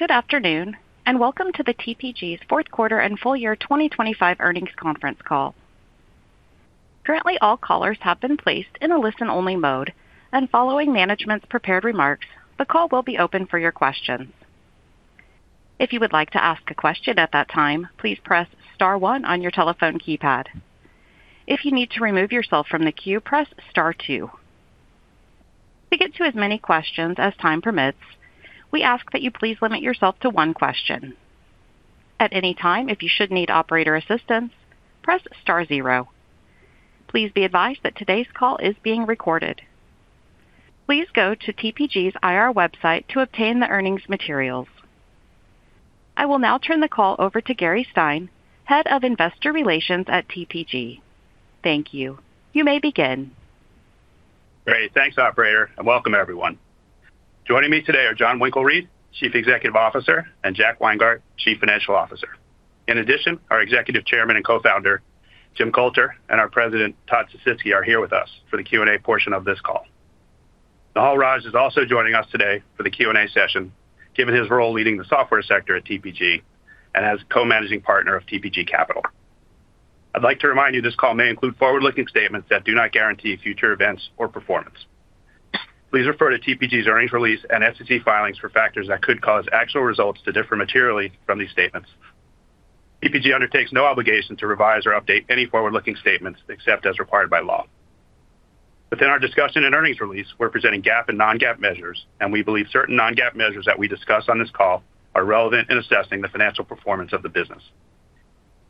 Good afternoon, and welcome to the TPG's Fourth Quarter and Full Year 2025 earnings conference call. Currently, all callers have been placed in a listen-only mode, and following management's prepared remarks, the call will be open for your questions. If you would like to ask a question at that time, please press star one on your telephone keypad. If you need to remove yourself from the queue, press star two. To get to as many questions as time permits, we ask that you please limit yourself to one question. At any time, if you should need operator assistance, press star zero. Please be advised that today's call is being recorded. Please go to TPG's IR website to obtain the earnings materials. I will now turn the call over to Gary Stein, Head of Investor Relations at TPG. Thank you. You may begin. Great. Thanks, operator, and welcome everyone. Joining me today are Jon Winkelried, Chief Executive Officer, and Jack Weingart, Chief Financial Officer. In addition, our Executive Chairman and Co-founder, Jim Coulter, and our President, Todd Sisitsky, are here with us for the Q&A portion of this call. Nehal Raj is also joining us today for the Q&A session, given his role leading the software sector at TPG and as co-managing partner of TPG Capital. I'd like to remind you, this call may include forward-looking statements that do not guarantee future events or performance. Please refer to TPG's earnings release and SEC filings for factors that could cause actual results to differ materially from these statements. TPG undertakes no obligation to revise or update any forward-looking statements except as required by law. Within our discussion and earnings release, we're presenting GAAP and non-GAAP measures, and we believe certain non-GAAP measures that we discuss on this call are relevant in assessing the financial performance of the business.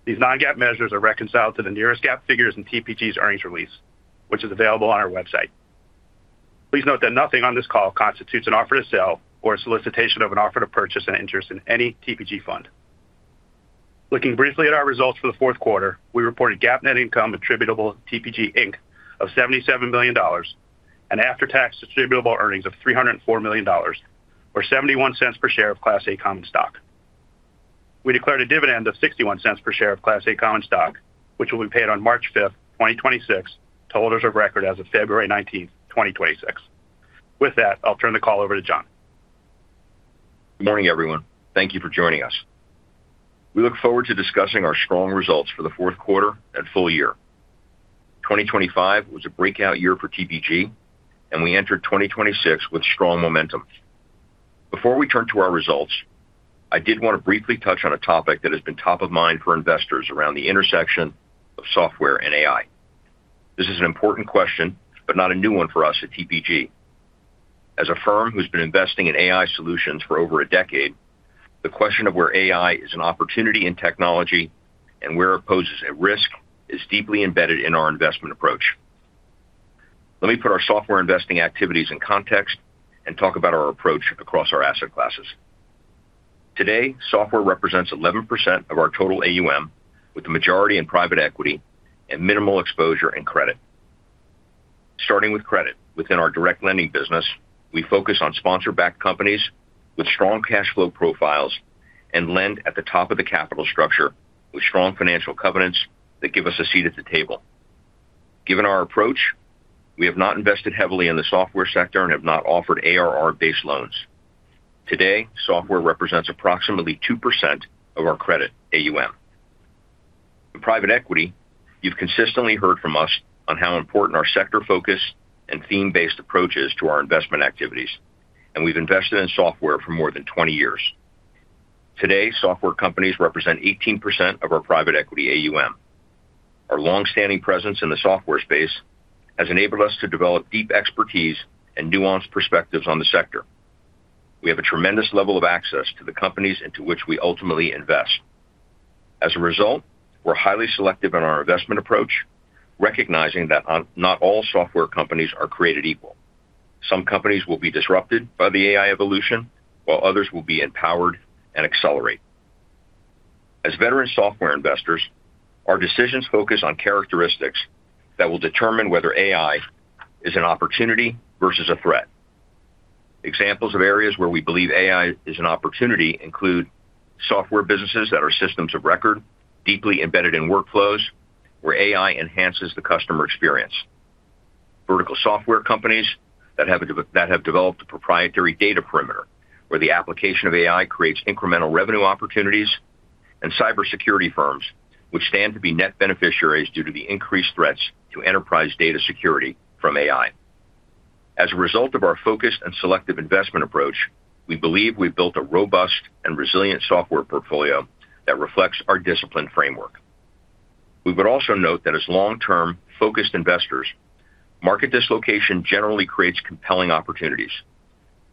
These non-GAAP measures are reconciled to the nearest GAAP figures in TPG's earnings release, which is available on our website. Please note that nothing on this call constitutes an offer to sell or a solicitation of an offer to purchase an interest in any TPG fund. Looking briefly at our results for the fourth quarter, we reported GAAP net income attributable to TPG Inc. of $77 billion and after-tax distributable earnings of $304 million, or $0.71 per share of Class A common stock. We declared a dividend of $0.61 per share of Class A common stock, which will be paid on March 5th, 2026, to holders of record as of February 19, 2026. With that, I'll turn the call over to Jon. Good morning, everyone. Thank you for joining us. We look forward to discussing our strong results for the fourth quarter and full year. 2025 was a breakout year for TPG, and we entered 2026 with strong momentum. Before we turn to our results, I did want to briefly touch on a topic that has been top of mind for investors around the intersection of software and AI. This is an important question, but not a new one for us at TPG. As a firm who's been investing in AI solutions for over a decade, the question of where AI is an opportunity in technology and where it poses a risk is deeply embedded in our investment approach. Let me put our software investing activities in context and talk about our approach across our asset classes. Today, software represents 11% of our total AUM, with the majority in private equity and minimal exposure in credit. Starting with credit, within our direct lending business, we focus on sponsor-backed companies with strong cash flow profiles and lend at the top of the capital structure with strong financial covenants that give us a seat at the table. Given our approach, we have not invested heavily in the software sector and have not offered ARR-based loans. Today, software represents approximately 2% of our credit AUM. In private equity, you've consistently heard from us on how important our sector focus and theme-based approach is to our investment activities, and we've invested in software for more than 20 years. Today, software companies represent 18% of our private equity AUM. Our long-standing presence in the software space has enabled us to develop deep expertise and nuanced perspectives on the sector. We have a tremendous level of access to the companies into which we ultimately invest. As a result, we're highly selective in our investment approach, recognizing that not all software companies are created equal. Some companies will be disrupted by the AI evolution, while others will be empowered and accelerate. As veteran software investors, our decisions focus on characteristics that will determine whether AI is an opportunity versus a threat. Examples of areas where we believe AI is an opportunity include software businesses that are systems of record, deeply embedded in workflows where AI enhances the customer experience, vertical software companies that have developed a proprietary data perimeter, where the application of AI creates incremental revenue opportunities, and cybersecurity firms, which stand to be net beneficiaries due to the increased threats to enterprise data security from AI. As a result of our focused and selective investment approach, we believe we've built a robust and resilient software portfolio that reflects our disciplined framework. We would also note that as long-term, focused investors, market dislocation generally creates compelling opportunities.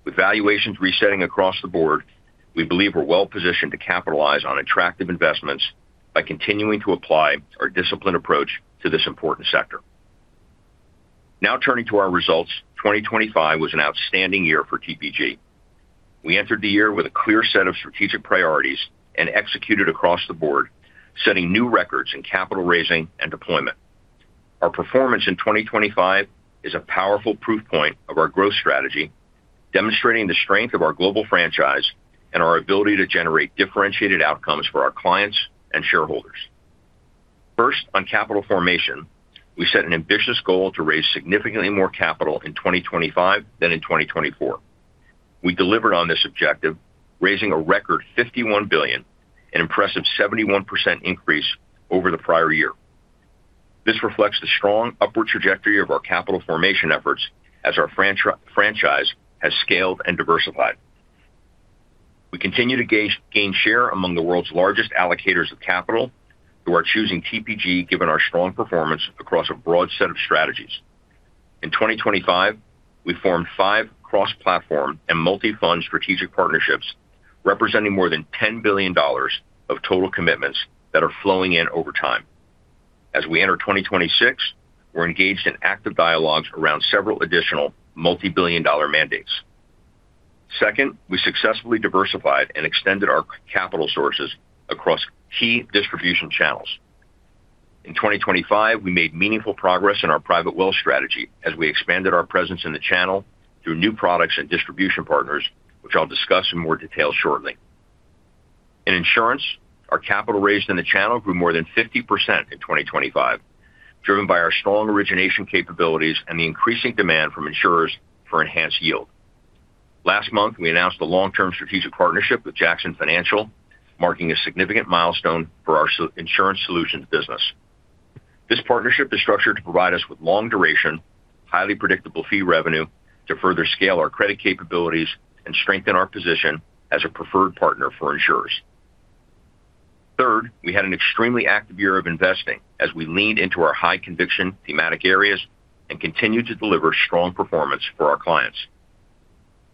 With valuations resetting across the board, we believe we're well positioned to capitalize on attractive investments by continuing to apply our disciplined approach to this important sector. Now turning to our results, 2025 was an outstanding year for TPG. We entered the year with a clear set of strategic priorities and executed across the board, setting new records in capital raising and deployment. Our performance in 2025 is a powerful proof point of our growth strategy, demonstrating the strength of our global franchise and our ability to generate differentiated outcomes for our clients and shareholders. First, on capital formation, we set an ambitious goal to raise significantly more capital in 2025 than in 2024. We delivered on this objective, raising a record $51 billion, an impressive 71% increase over the prior year. This reflects the strong upward trajectory of our capital formation efforts as our franchise has scaled and diversified. We continue to gain share among the world's largest allocators of capital, who are choosing TPG, given our strong performance across a broad set of strategies. In 2025, we formed five cross-platform and multi-fund strategic partnerships, representing more than $10 billion of total commitments that are flowing in over time. As we enter 2026, we're engaged in active dialogues around several additional multibillion-dollar mandates. Second, we successfully diversified and extended our capital sources across key distribution channels. In 2025, we made meaningful progress in our private wealth strategy as we expanded our presence in the channel through new products and distribution partners, which I'll discuss in more detail shortly. In insurance, our capital raised in the channel grew more than 50% in 2025, driven by our strong origination capabilities and the increasing demand from insurers for enhanced yield. Last month, we announced a long-term strategic partnership with Jackson Financial, marking a significant milestone for our insurance solutions business. This partnership is structured to provide us with long duration, highly predictable fee revenue to further scale our credit capabilities and strengthen our position as a preferred partner for insurers. Third, we had an extremely active year of investing as we leaned into our high conviction thematic areas and continued to deliver strong performance for our clients.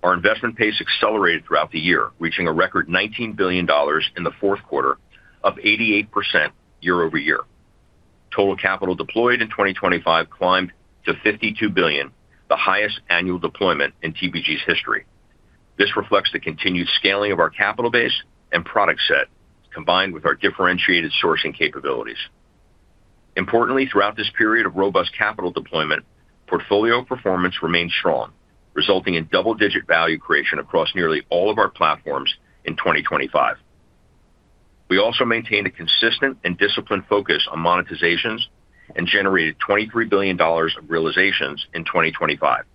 Our investment pace accelerated throughout the year, reaching a record $19 billion in the fourth quarter of 88% year over year. Total capital deployed in 2025 climbed to $52 billion, the highest annual deployment in TPG's history. This reflects the continued scaling of our capital base and product set, combined with our differentiated sourcing capabilities. Importantly, throughout this period of robust capital deployment, portfolio performance remained strong, resulting in double-digit value creation across nearly all of our platforms in 2025. We also maintained a consistent and disciplined focus on monetizations and generated $23 billion of realizations in 2025.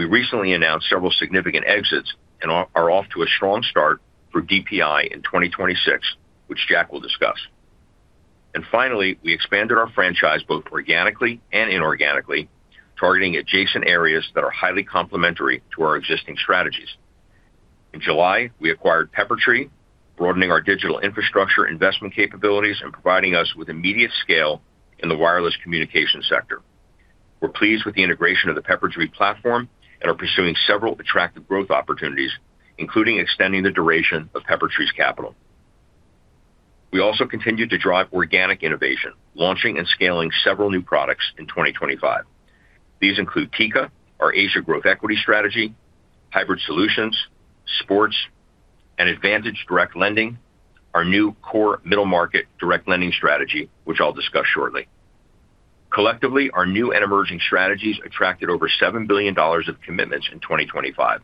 We recently announced several significant exits and are off to a strong start for DPI in 2026, which Jack will discuss. Finally, we expanded our franchise both organically and inorganically, targeting adjacent areas that are highly complementary to our existing strategies. In July, we acquired Peppertree, broadening our digital infrastructure investment capabilities and providing us with immediate scale in the wireless communication sector. We're pleased with the integration of the Peppertree platform and are pursuing several attractive growth opportunities, including extending the duration of Peppertree's capital. We also continued to drive organic innovation, launching and scaling several new products in 2025. These include Tika, our Asia growth equity strategy, hybrid solutions, sports, and Advantage Direct Lending, our new core middle market direct lending strategy, which I'll discuss shortly. Collectively, our new and emerging strategies attracted over $7 billion of commitments in 2025,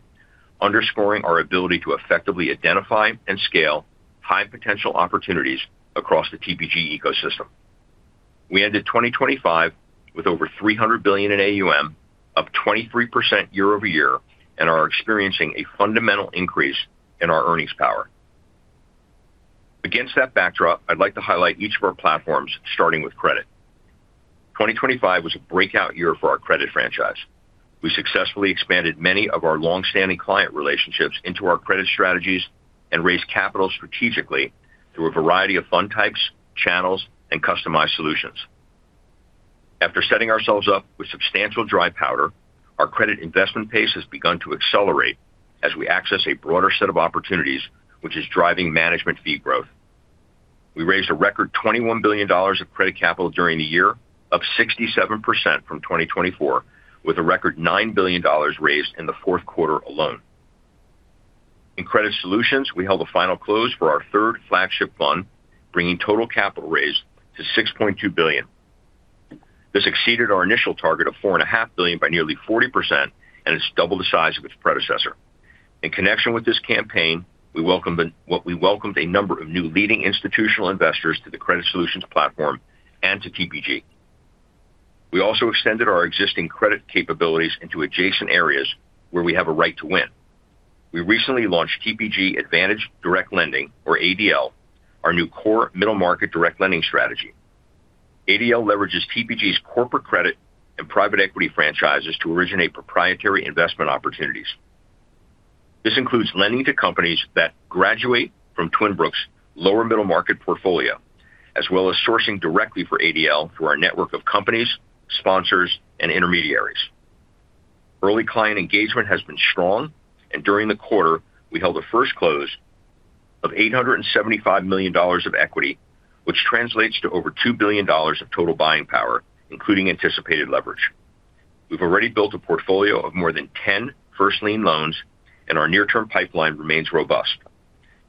underscoring our ability to effectively identify and scale high potential opportunities across the TPG ecosystem. We ended 2025 with over $300 billion in AUM, up 23% year-over-year, and are experiencing a fundamental increase in our earnings power. Against that backdrop, I'd like to highlight each of our platforms, starting with credit. 2025 was a breakout year for our credit franchise. We successfully expanded many of our long-standing client relationships into our credit strategies and raised capital strategically through a variety of fund types, channels, and customized solutions. After setting ourselves up with substantial dry powder, our credit investment pace has begun to accelerate as we access a broader set of opportunities, which is driving management fee growth. We raised a record $21 billion of credit capital during the year, up 67% from 2024, with a record $9 billion raised in the fourth quarter alone. In Credit Solutions, we held a final close for our third flagship fund, bringing total capital raised to $6.2 billion. This exceeded our initial target of $4.5 billion by nearly 40%, and it's double the size of its predecessor. In connection with this campaign, we welcomed a number of new leading institutional investors to the Credit Solutions platform and to TPG. We also extended our existing credit capabilities into adjacent areas where we have a right to win. We recently launched TPG Advantage Direct Lending, or ADL, our new core middle market direct lending strategy. ADL leverages TPG's corporate credit and private equity franchises to originate proprietary investment opportunities. This includes lending to companies that graduate from Twin Brook's lower middle market portfolio, as well as sourcing directly for ADL through our network of companies, sponsors, and intermediaries. Early client engagement has been strong, and during the quarter, we held a first close of $875 million of equity, which translates to over $2 billion of total buying power, including anticipated leverage. We've already built a portfolio of more than 10 first lien loans, and our near-term pipeline remains robust.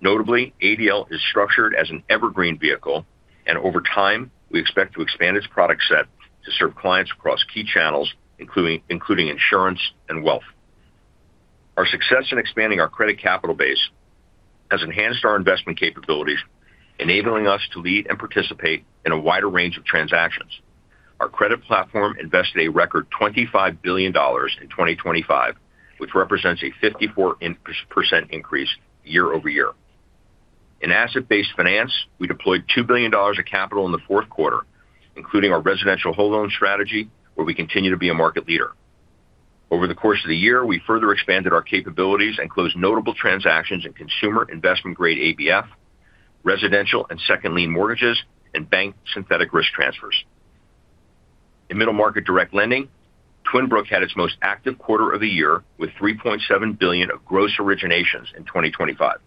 Notably, ADL is structured as an evergreen vehicle, and over time, we expect to expand its product set to serve clients across key channels, including insurance and wealth. Success in expanding our credit capital base has enhanced our investment capabilities, enabling us to lead and participate in a wider range of transactions. Our credit platform invested a record $25 billion in 2025, which represents a 54% increase year over year. In asset-based finance, we deployed $2 billion of capital in the fourth quarter, including our residential whole loan strategy, where we continue to be a market leader. Over the course of the year, we further expanded our capabilities and closed notable transactions in consumer investment grade ABF, residential and second lien mortgages, and bank synthetic risk transfers. In middle market direct lending, Twin Brook had its most active quarter of the year, with 3.7 billion of gross originations in 2025.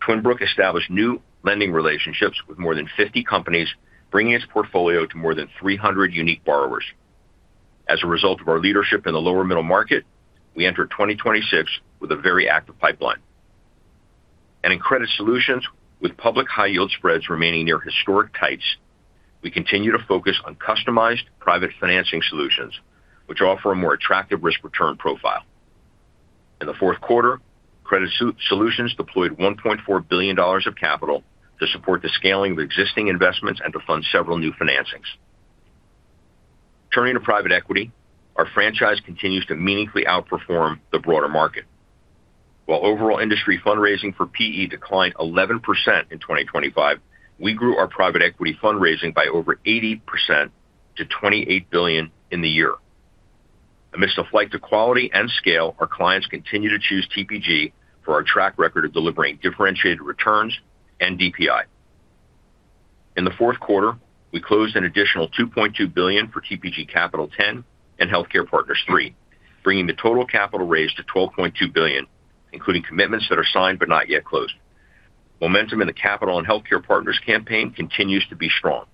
Twin Brook established new lending relationships with more than 50 companies, bringing its portfolio to more than 300 unique borrowers. As a result of our leadership in the lower middle market, we entered 2026 with a very active pipeline. In credit solutions, with public high yield spreads remaining near historic heights, we continue to focus on customized private financing solutions, which offer a more attractive risk return profile. In the fourth quarter, credit solutions deployed $1.4 billion of capital to support the scaling of existing investments and to fund several new financings. Turning to private equity, our franchise continues to meaningfully outperform the broader market. While overall industry fundraising for PE declined 11% in 2025, we grew our private equity fundraising by over 80% to $28 billion in the year. Amidst a flight to quality and scale, our clients continue to choose TPG for our track record of delivering differentiated returns and DPI. In the fourth quarter, we closed an additional $2.2 billion for TPG Capital X and TPG Healthcare Partners III, bringing the total capital raise to $12.2 billion, including commitments that are signed but not yet closed. Momentum in the capital and healthcare partners campaign continues to be strong.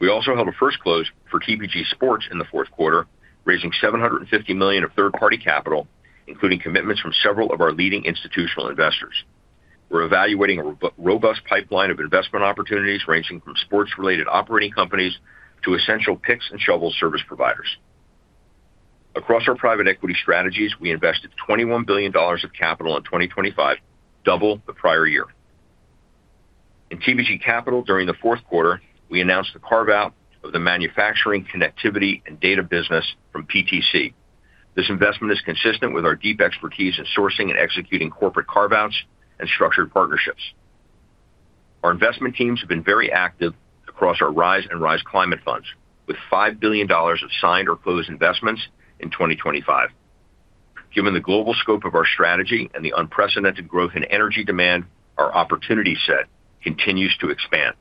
We also held a first close for TPG Sports in the fourth quarter, raising $750 million of third-party capital, including commitments from several of our leading institutional investors. We're evaluating a robust pipeline of investment opportunities, ranging from sports-related operating companies to essential picks and shovel service providers. Across our private equity strategies, we invested $21 billion of capital in 2025, double the prior year. In TPG Capital, during the fourth quarter, we announced the carve-out of the manufacturing, connectivity, and data business from PTC. This investment is consistent with our deep expertise in sourcing and executing corporate carve-outs and structured partnerships. Our investment teams have been very active across our Rise and Rise Climate funds, with $5 billion of signed or closed investments in 2025. Given the global scope of our strategy and the unprecedented growth in energy demand, our opportunity set continues to expand.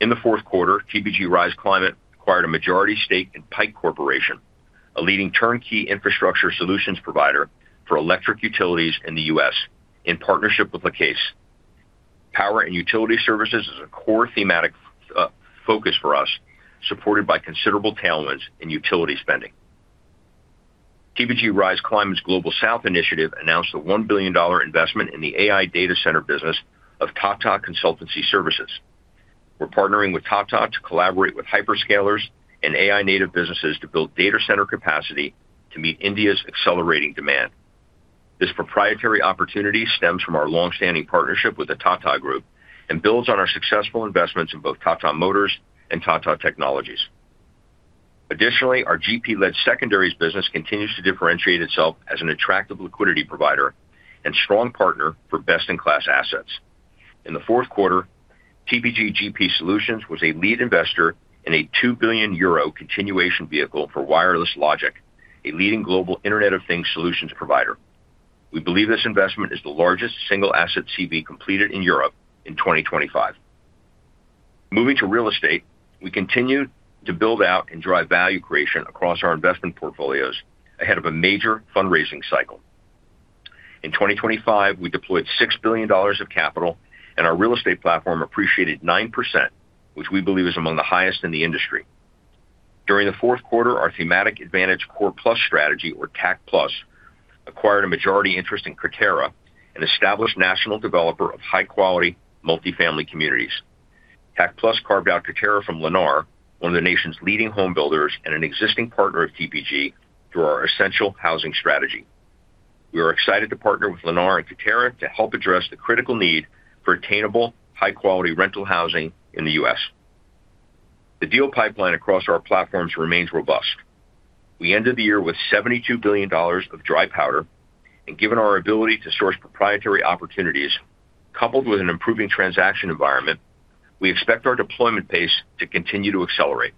In the fourth quarter, TPG Rise Climate acquired a majority stake in Pike Corporation, a leading turnkey infrastructure solutions provider for electric utilities in the U.S., in partnership with the case. Power and utility services is a core thematic focus for us, supported by considerable tailwinds in utility spending. TPG Rise Climate's Global South Initiative announced a $1 billion investment in the AI data center business of Tata Consultancy Services. We're partnering with Tata to collaborate with hyperscalers and AI native businesses to build data center capacity to meet India's accelerating demand. This proprietary opportunity stems from our long-standing partnership with the Tata Group and builds on our successful investments in both Tata Motors and Tata Technologies. Additionally, our GP-led secondaries business continues to differentiate itself as an attractive liquidity provider and strong partner for best-in-class assets. In the fourth quarter, TPG GP Solutions was a lead investor in a 2 billion euro continuation vehicle for Wireless Logic, a leading global Internet of Things solutions provider. We believe this investment is the largest single asset CV completed in Europe in 2025. Moving to real estate, we continued to build out and drive value creation across our investment portfolios ahead of a major fundraising cycle. In 2025, we deployed $6 billion of capital, and our real estate platform appreciated 9%, which we believe is among the highest in the industry. During the fourth quarter, our Thematic Advantage Core Plus strategy, or TAC Plus, acquired a majority interest in Quarterra, an established national developer of high-quality multifamily communities. TAC Plus carved out Quarterra from Lennar, one of the nation's leading home builders and an existing partner of TPG, through our essential housing strategy. We are excited to partner with Lennar and Quarterra to help address the critical need for attainable, high-quality rental housing in the U.S. The deal pipeline across our platforms remains robust. We ended the year with $72 billion of dry powder, and given our ability to source proprietary opportunities, coupled with an improving transaction environment, we expect our deployment pace to continue to accelerate.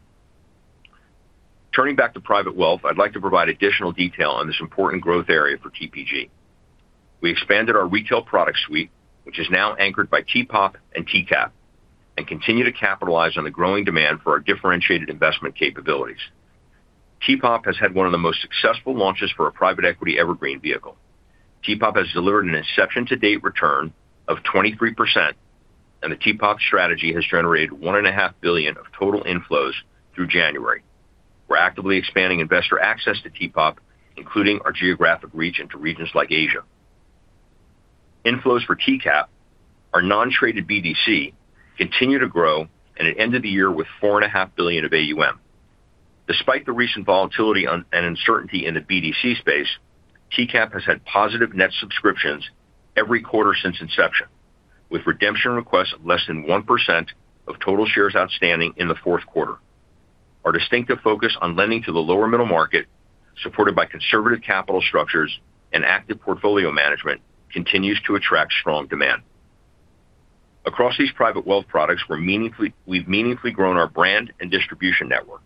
Turning back to private wealth, I'd like to provide additional detail on this important growth area for TPG. We expanded our retail product suite, which is now anchored by TPOP and TCAP, and continue to capitalize on the growing demand for our differentiated investment capabilities. TPOP has had one of the most successful launches for a private equity evergreen vehicle. TPOP has delivered an inception-to-date return of 23%, and the TPOP strategy has generated $1.5 billion of total inflows through January. We're actively expanding investor access to TPOP, including our geographic region to regions like Asia. Inflows for TCAP, our non-traded BDC, continue to grow, and it ended the year with $4.5 billion of AUM. Despite the recent volatility on, and uncertainty in the BDC space, TCAP has had positive net subscriptions every quarter since inception, with redemption requests less than 1% of total shares outstanding in the fourth quarter. Our distinctive focus on lending to the lower middle market, supported by conservative capital structures and active portfolio management, continues to attract strong demand. Across these private wealth products, we're meaningfully-- we've meaningfully grown our brand and distribution network.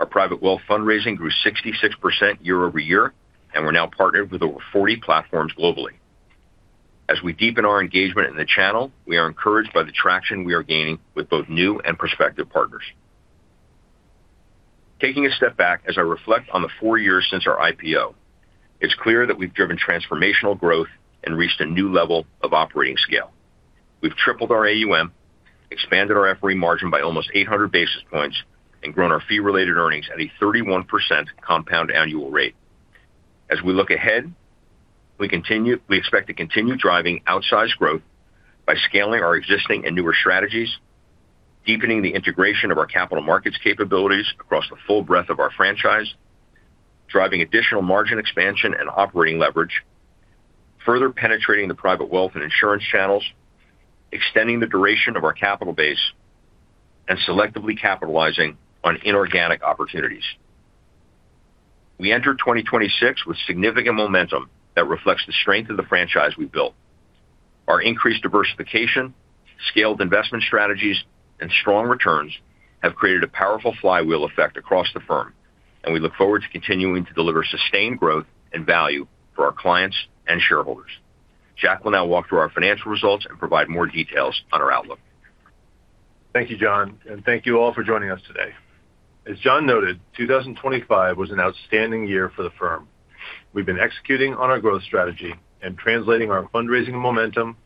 Our private wealth fundraising grew 66% year-over-year, and we're now partnered with over 40 platforms globally. As we deepen our engagement in the channel, we are encouraged by the traction we are gaining with both new and prospective partners. Taking a step back, as I reflect on the four years since our IPO, it's clear that we've driven transformational growth and reached a new level of operating scale. We've tripled our AUM, expanded our FRE margin by almost 800 basis points, and grown our fee-related earnings at a 31% compound annual rate. As we look ahead, we expect to continue driving outsized growth by scaling our existing and newer strategies, deepening the integration of our capital markets capabilities across the full breadth of our franchise, driving additional margin expansion and operating leverage, further penetrating the private wealth and insurance channels, extending the duration of our capital base, and selectively capitalizing on inorganic opportunities. We entered 2026 with significant momentum that reflects the strength of the franchise we built. Our increased diversification, scaled investment strategies, and strong returns have created a powerful flywheel effect across the firm, and we look forward to continuing to deliver sustained growth and value for our clients and shareholders. Jack will now walk through our financial results and provide more details on our outlook. Thank you, John, and thank you all for joining us today. As John noted, 2025 was an outstanding year for the firm. We've been executing on our growth strategy and translating our fundraising momentum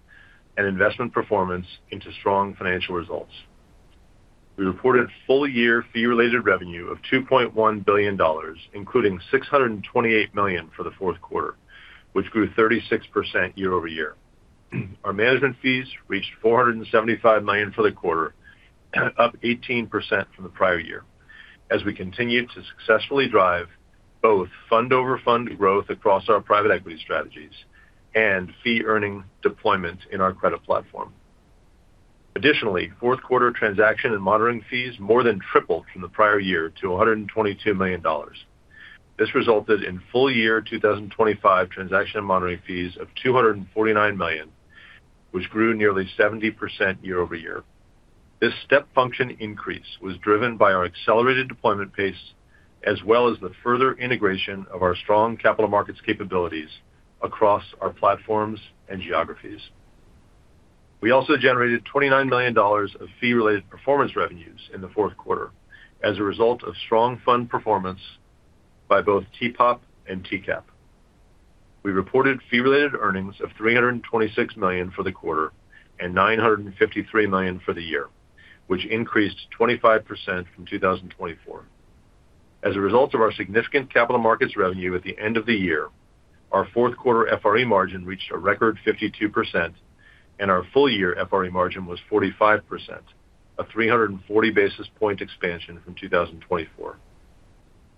and investment performance into strong financial results. We reported full-year fee-related revenue of $2.1 billion, including $628 million for the fourth quarter, which grew 36% year-over-year. Our management fees reached $475 million for the quarter, up 18% from the prior year, as we continued to successfully drive both fund-over-fund growth across our private equity strategies and fee-earning deployment in our credit platform. Additionally, fourth quarter transaction and monitoring fees more than tripled from the prior year to $122 million. This resulted in full year 2025 transaction and monitoring fees of $249 million, which grew nearly 70% year-over-year. This step function increase was driven by our accelerated deployment pace, as well as the further integration of our strong capital markets capabilities across our platforms and geographies. We also generated $29 million of fee-related performance revenues in the fourth quarter as a result of strong fund performance by both TPOP and TCAP. We reported fee-related earnings of $326 million for the quarter and $953 million for the year, which increased 25% from 2024. As a result of our significant capital markets revenue at the end of the year, our fourth quarter FRE margin reached a record 52%, and our full-year FRE margin was 45%, a 340 basis point expansion from 2024.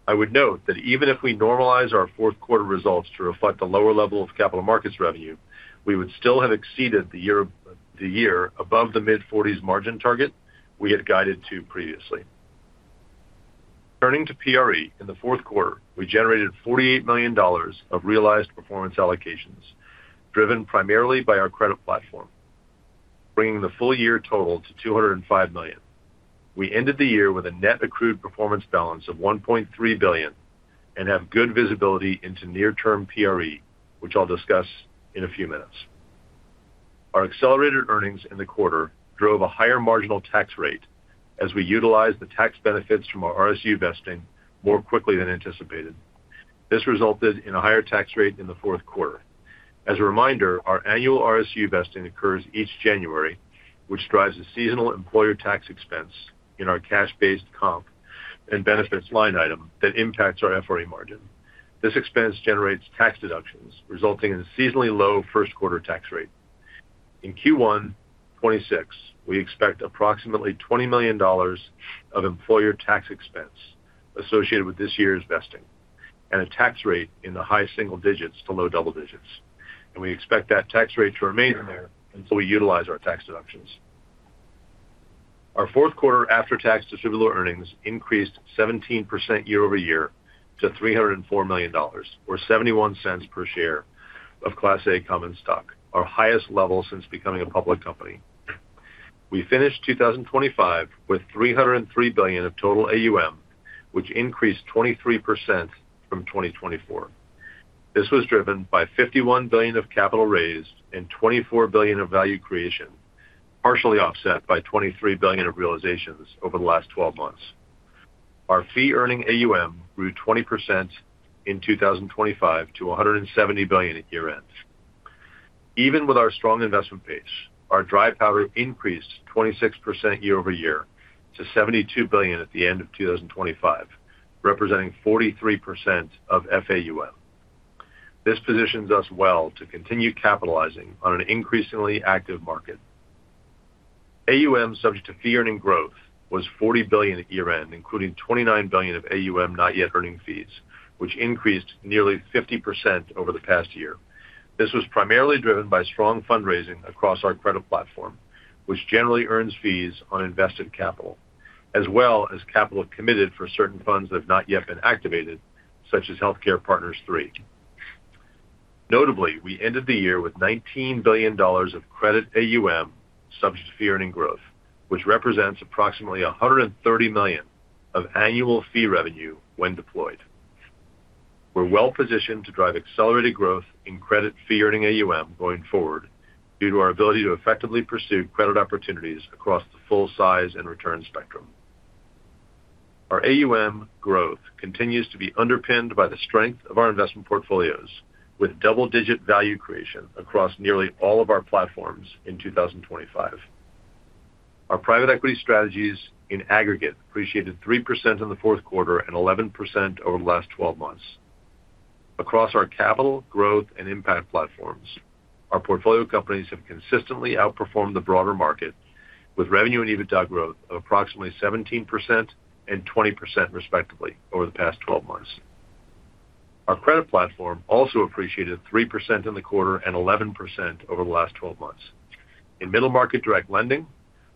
I would note that even if we normalize our fourth quarter results to reflect a lower level of capital markets revenue, we would still have exceeded the year above the mid-forties margin target we had guided to previously. Turning to PRE, in the fourth quarter, we generated $48 million of realized performance allocations, driven primarily by our credit platform, bringing the full-year total to $205 million. We ended the year with a net accrued performance balance of $1.3 billion and have good visibility into near-term PRE, which I'll discuss in a few minutes. Our accelerated earnings in the quarter drove a higher marginal tax rate as we utilized the tax benefits from our RSU vesting more quickly than anticipated. This resulted in a higher tax rate in the fourth quarter. As a reminder, our annual RSU vesting occurs each January, which drives a seasonal employer tax expense in our cash-based comp and benefits line item that impacts our FRE margin. This expense generates tax deductions, resulting in a seasonally low first quarter tax rate. In Q1 2026, we expect approximately $20 million of employer tax expense associated with this year's vesting and a tax rate in the high single digits to low double digits, and we expect that tax rate to remain there until we utilize our tax deductions. Our fourth quarter after-tax distributable earnings increased 17% year-over-year to $304 million, or $0.71 per share of Class A common stock, our highest level since becoming a public company. We finished 2025 with $303 billion of total AUM, which increased 23% from 2024. This was driven by $51 billion of capital raised and $24 billion of value creation, partially offset by $23 billion of realizations over the last twelve months. Our fee-earning AUM grew 20% in 2025 to $170 billion at year-end. Even with our strong investment pace, our dry powder increased 26% year-over-year to $72 billion at the end of 2025, representing 43% of FAUM. This positions us well to continue capitalizing on an increasingly active market. AUM subject to fee-earning growth was $40 billion at year-end, including $29 billion of AUM not yet earning fees, which increased nearly 50% over the past year. This was primarily driven by strong fundraising across our credit platform, which generally earns fees on invested capital, as well as capital committed for certain funds that have not yet been activated, such as Healthcare Partners III. Notably, we ended the year with $19 billion of credit AUM subject to fee-earning growth, which represents approximately $130 million of annual fee revenue when deployed. We're well-positioned to drive accelerated growth in credit fee-earning AUM going forward, due to our ability to effectively pursue credit opportunities across the full size and return spectrum. Our AUM growth continues to be underpinned by the strength of our investment portfolios, with double-digit value creation across nearly all of our platforms in 2025. Our private equity strategies, in aggregate, appreciated 3% in the fourth quarter and 11% over the last twelve months. Across our capital, growth, and impact platforms, our portfolio companies have consistently outperformed the broader market, with revenue and EBITDA growth of approximately 17% and 20%, respectively, over the past twelve months. Our credit platform also appreciated 3% in the quarter and 11% over the last twelve months. In middle-market direct lending,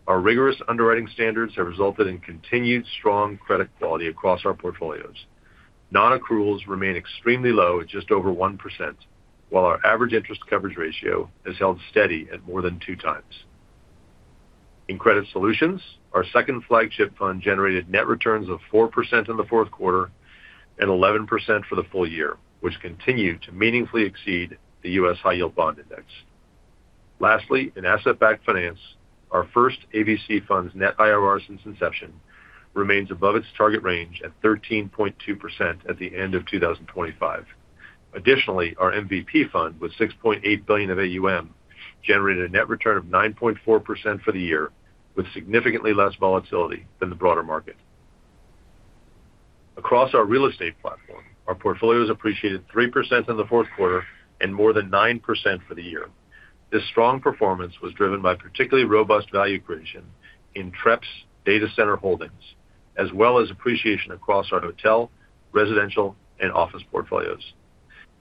our rigorous underwriting standards have resulted in continued strong credit quality across our portfolios. Non-accruals remain extremely low at just over 1%, while our average interest coverage ratio has held steady at more than two times. In credit solutions, our second flagship fund generated net returns of 4% in the fourth quarter and 11% for the full year, which continued to meaningfully exceed the U.S. High Yield Bond Index. Lastly, in asset-backed finance, our first AVC fund's net IRR since inception remains above its target range at 13.2% at the end of 2025. Additionally, our MVP fund, with $6.8 billion of AUM, generated a net return of 9.4% for the year, with significantly less volatility than the broader market. Across our real estate platform, our portfolios appreciated 3% in the fourth quarter and more than 9% for the year. This strong performance was driven by particularly robust value creation in TREP's data center holdings, as well as appreciation across our hotel, residential, and office portfolios.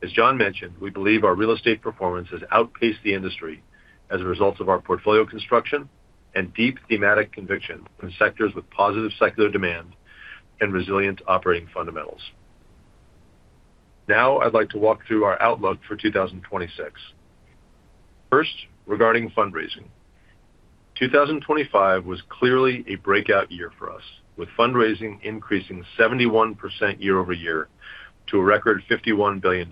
As John mentioned, we believe our real estate performance has outpaced the industry as a result of our portfolio construction and deep thematic conviction in sectors with positive secular demand and resilient operating fundamentals. Now, I'd like to walk through our outlook for 2026. First, regarding fundraising. 2025 was clearly a breakout year for us, with fundraising increasing 71% year over year to a record $51 billion.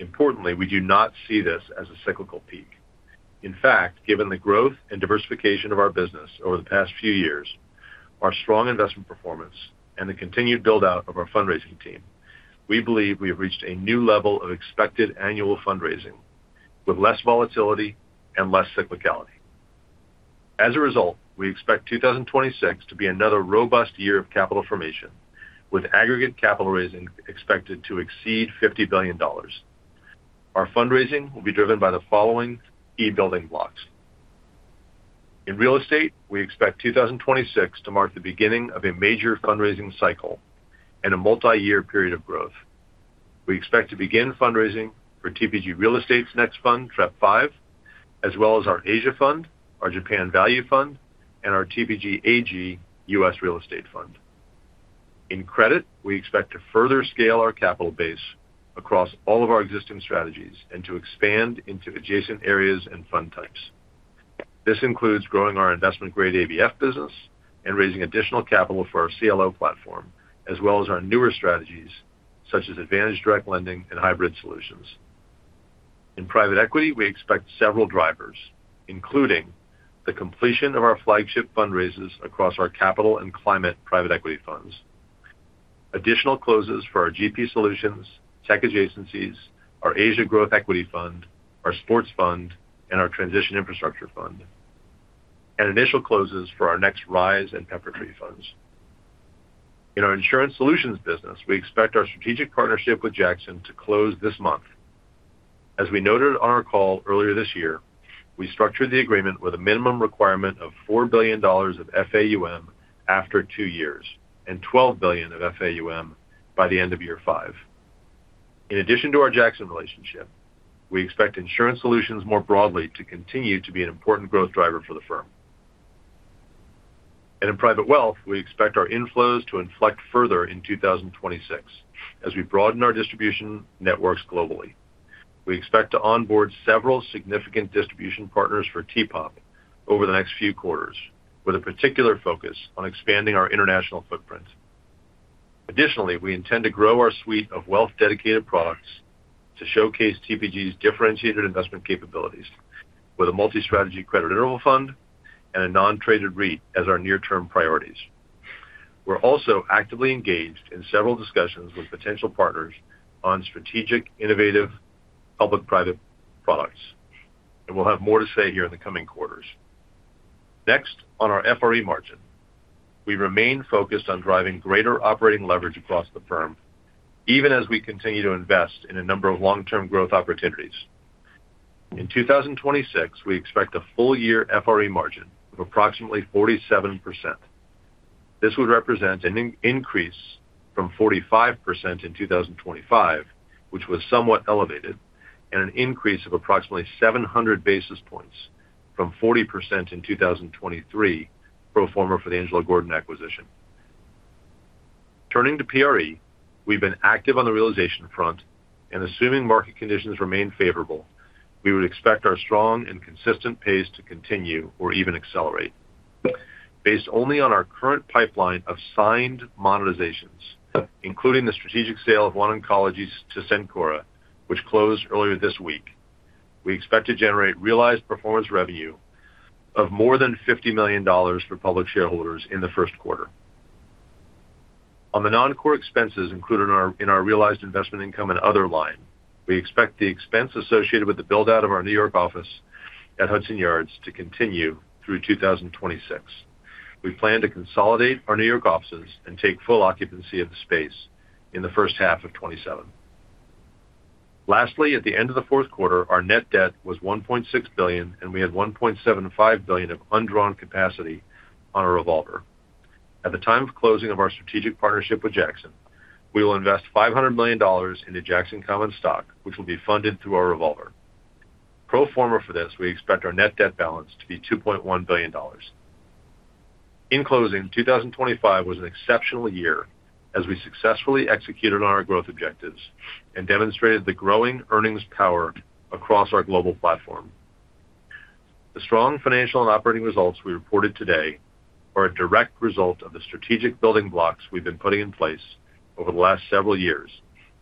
Importantly, we do not see this as a cyclical peak. In fact, given the growth and diversification of our business over the past few years, our strong investment performance, and the continued build-out of our fundraising team, we believe we have reached a new level of expected annual fundraising with less volatility and less cyclicality. As a result, we expect 2026 to be another robust year of capital formation, with aggregate capital raising expected to exceed $50 billion. Our fundraising will be driven by the following key building blocks. In real estate, we expect 2026 to mark the beginning of a major fundraising cycle and a multiyear period of growth. We expect to begin fundraising for TPG Real Estate's next fund, TREP V, as well as our Asia Fund, our Japan Value Fund, and our TPG AG US Real Estate Fund. In credit, we expect to further scale our capital base across all of our existing strategies and to expand into adjacent areas and fund types. This includes growing our investment-grade ABF business and raising additional capital for our CLO platform, as well as our newer strategies, such as Advantage Direct Lending and hybrid solutions. In private equity, we expect several drivers, including the completion of our flagship fundraisers across our capital and climate private equity funds, additional closes for our GP solutions, tech adjacencies, our Asia Growth Equity Fund, our sports fund, and our transition infrastructure fund, and initial closes for our next Rise and Peppertree funds. In our insurance solutions business, we expect our strategic partnership with Jackson to close this month. As we noted on our call earlier this year, we structured the agreement with a minimum requirement of $4 billion of FAUM after two years and $12 billion of FAUM by the end of year five. In addition to our Jackson relationship, we expect insurance solutions more broadly to continue to be an important growth driver for the firm. In private wealth, we expect our inflows to inflect further in 2026 as we broaden our distribution networks globally. We expect to onboard several significant distribution partners for TPOP over the next few quarters, with a particular focus on expanding our international footprint. Additionally, we intend to grow our suite of wealth-dedicated products to showcase TPG's differentiated investment capabilities with a multi-strategy credit interval fund and a non-traded REIT as our near-term priorities. We're also actively engaged in several discussions with potential partners on strategic, innovative, public-private products, and we'll have more to say here in the coming quarters. Next, on our FRE margin. We remain focused on driving greater operating leverage across the firm, even as we continue to invest in a number of long-term growth opportunities. In 2026, we expect a full year FRE margin of approximately 47%. This would represent an increase from 45% in 2025, which was somewhat elevated, and an increase of approximately 700 basis points from 40% in 2023, pro forma for the Angelo Gordon acquisition. Turning to PRE, we've been active on the realization front, and assuming market conditions remain favorable, we would expect our strong and consistent pace to continue or even accelerate. Based only on our current pipeline of signed monetizations, including the strategic sale of OneOncology to Cencora, which closed earlier this week, we expect to generate realized performance revenue of more than $50 million for public shareholders in the first quarter. On the non-core expenses included in our realized investment income and other line, we expect the expense associated with the build-out of our New York office at Hudson Yards to continue through 2026. We plan to consolidate our New York offices and take full occupancy of the space in the first half of 2027. Lastly, at the end of the fourth quarter, our net debt was $1.6 billion, and we had $1.75 billion of undrawn capacity on our revolver. At the time of closing of our strategic partnership with Jackson, we will invest $500 million into Jackson common stock, which will be funded through our revolver. Pro forma for this, we expect our net debt balance to be $2.1 billion. In closing, 2025 was an exceptional year as we successfully executed on our growth objectives and demonstrated the growing earnings power across our global platform. The strong financial and operating results we reported today are a direct result of the strategic building blocks we've been putting in place over the last several years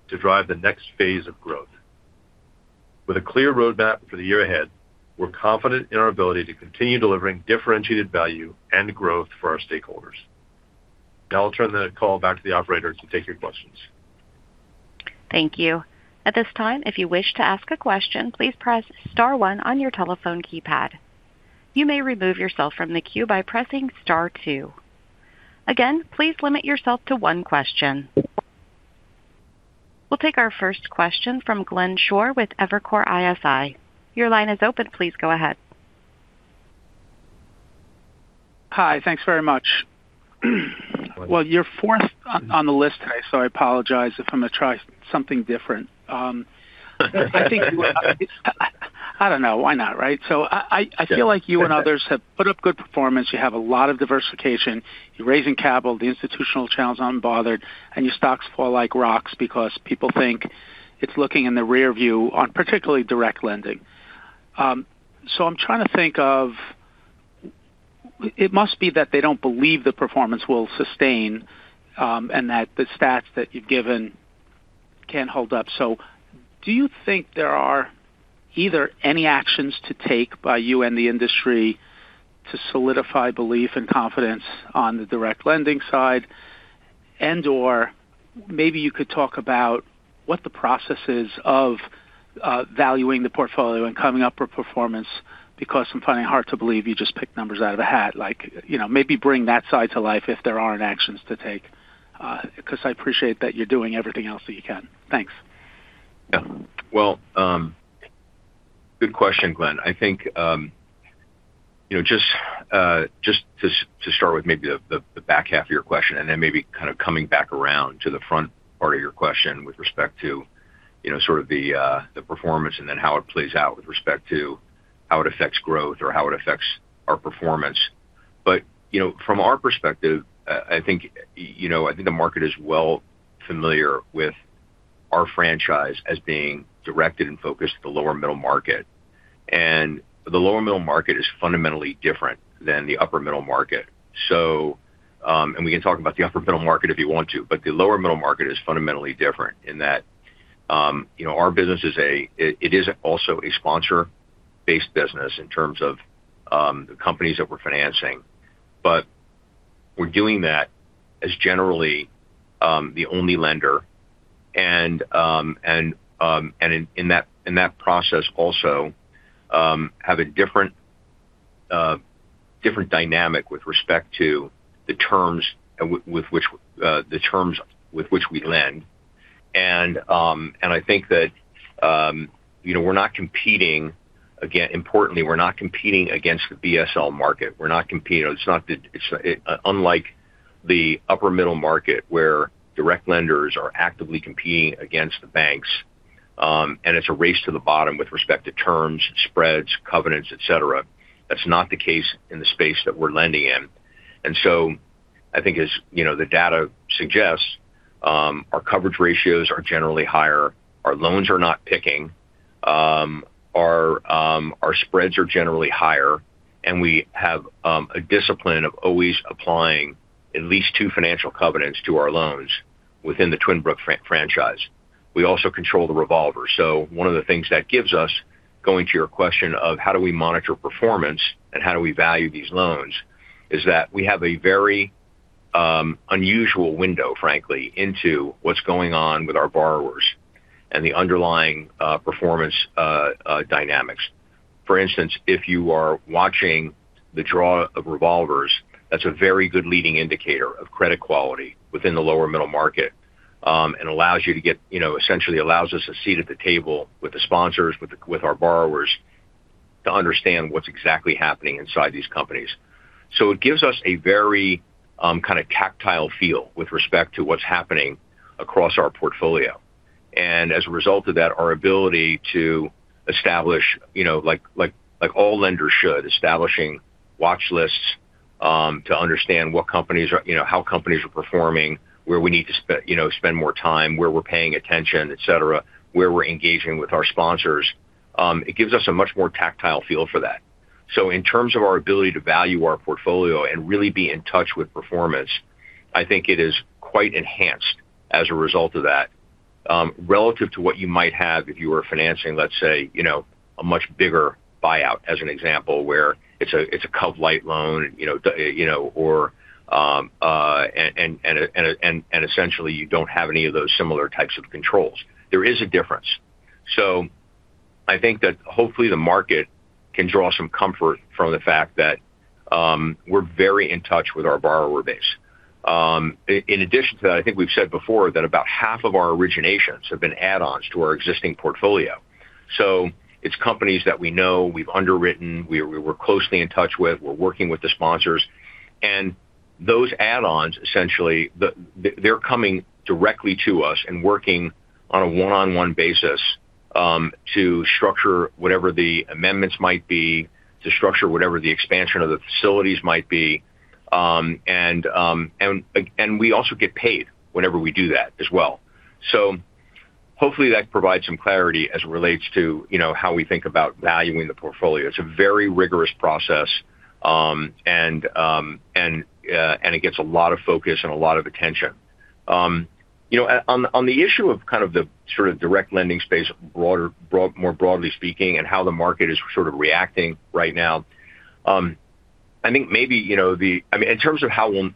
to drive the next phase of growth. With a clear roadmap for the year ahead, we're confident in our ability to continue delivering differentiated value and growth for our stakeholders. Now I'll turn the call back to the operator to take your questions. Thank you. At this time, if you wish to ask a question, please press star one on your telephone keypad. You may remove yourself from the queue by pressing star two. Again, please limit yourself to one question. We'll take our first question from Glenn Schorr with Evercore ISI. Your line is open. Please go ahead. Hi, thanks very much. Well, you're fourth on the list today, so I apologize if I'm going to try something different. I think you... I don't know, why not, right? So I feel like you and others have put up good performance. You have a lot of diversification. You're raising capital. The institutional channels unbothered, and your stocks fall like rocks because people think it's looking in the rearview on particularly direct lending. So I'm trying to think of. It must be that they don't believe the performance will sustain, and that the stats that you've given can't hold up. So do you think there are either any actions to take by you and the industry to solidify belief and confidence on the direct lending side? Or maybe you could talk about what the process is of valuing the portfolio and coming up with performance, because I'm finding it hard to believe you just picked numbers out of a hat. Like, you know, maybe bring that side to life if there aren't actions to take, because I appreciate that you're doing everything else that you can. Thanks. Yeah. Well, good question, Glenn. I think, you know, just to start with maybe the back half of your question, and then maybe kind of coming back around to the front part of your question with respect to, you know, sort of the performance and then how it plays out with respect to how it affects growth or how it affects our performance. But, you know, from our perspective, I think, you know, I think the market is well familiar with our franchise as being directed and focused at the lower middle market, and the lower middle market is fundamentally different than the upper middle market. So, and we can talk about the upper middle market if you want to, but the lower middle market is fundamentally different in that, you know, our business is also a sponsor-based business in terms of the companies that we're financing. But we're doing that as generally the only lender and in that process also have a different dynamic with respect to the terms with which we lend. And I think that, you know, we're not competing—importantly, we're not competing against the BSL market. We're not competing. It's not unlike the upper middle market, where direct lenders are actively competing against the banks, and it's a race to the bottom with respect to terms, spreads, covenants, et cetera. That's not the case in the space that we're lending in. And so I think as you know, the data suggests, our coverage ratios are generally higher, our loans are not PIK-ing, our spreads are generally higher, and we have a discipline of always applying at least two financial covenants to our loans within the Twinbrook franchise. We also control the revolver. So one of the things that gives us, going to your question of how do we monitor performance and how do we value these loans, is that we have a very-... unusual window, frankly, into what's going on with our borrowers and the underlying performance dynamics. For instance, if you are watching the draw of revolvers, that's a very good leading indicator of credit quality within the lower middle market, and allows you to get, you know, essentially allows us a seat at the table with the sponsors, with our borrowers, to understand what's exactly happening inside these companies. So it gives us a very kind of tactile feel with respect to what's happening across our portfolio. And as a result of that, our ability to establish, you know, like all lenders should, establishing watch lists to understand what companies are. You know, how companies are performing, where we need to, you know, spend more time, where we're paying attention, et cetera. Where we're engaging with our sponsors. It gives us a much more tactile feel for that. So in terms of our ability to value our portfolio and really be in touch with performance, I think it is quite enhanced as a result of that. Relative to what you might have if you were financing, let's say, you know, a much bigger buyout as an example, where it's a cov-lite loan, you know, or essentially, you don't have any of those similar types of controls. There is a difference. So I think that hopefully the market can draw some comfort from the fact that we're very in touch with our borrower base. In addition to that, I think we've said before that about half of our originations have been add-ons to our existing portfolio. So it's companies that we know, we've underwritten, we're closely in touch with, we're working with the sponsors. And those add-ons, essentially, they're coming directly to us and working on a one-on-one basis, to structure whatever the amendments might be, to structure whatever the expansion of the facilities might be. And we also get paid whenever we do that as well. So hopefully that provides some clarity as it relates to, you know, how we think about valuing the portfolio. It's a very rigorous process, and it gets a lot of focus and a lot of attention. You know, on the issue of kind of the sort of direct lending space, broader, more broadly speaking, and how the market is sort of reacting right now. I think maybe, you know, the—I mean, in terms of how will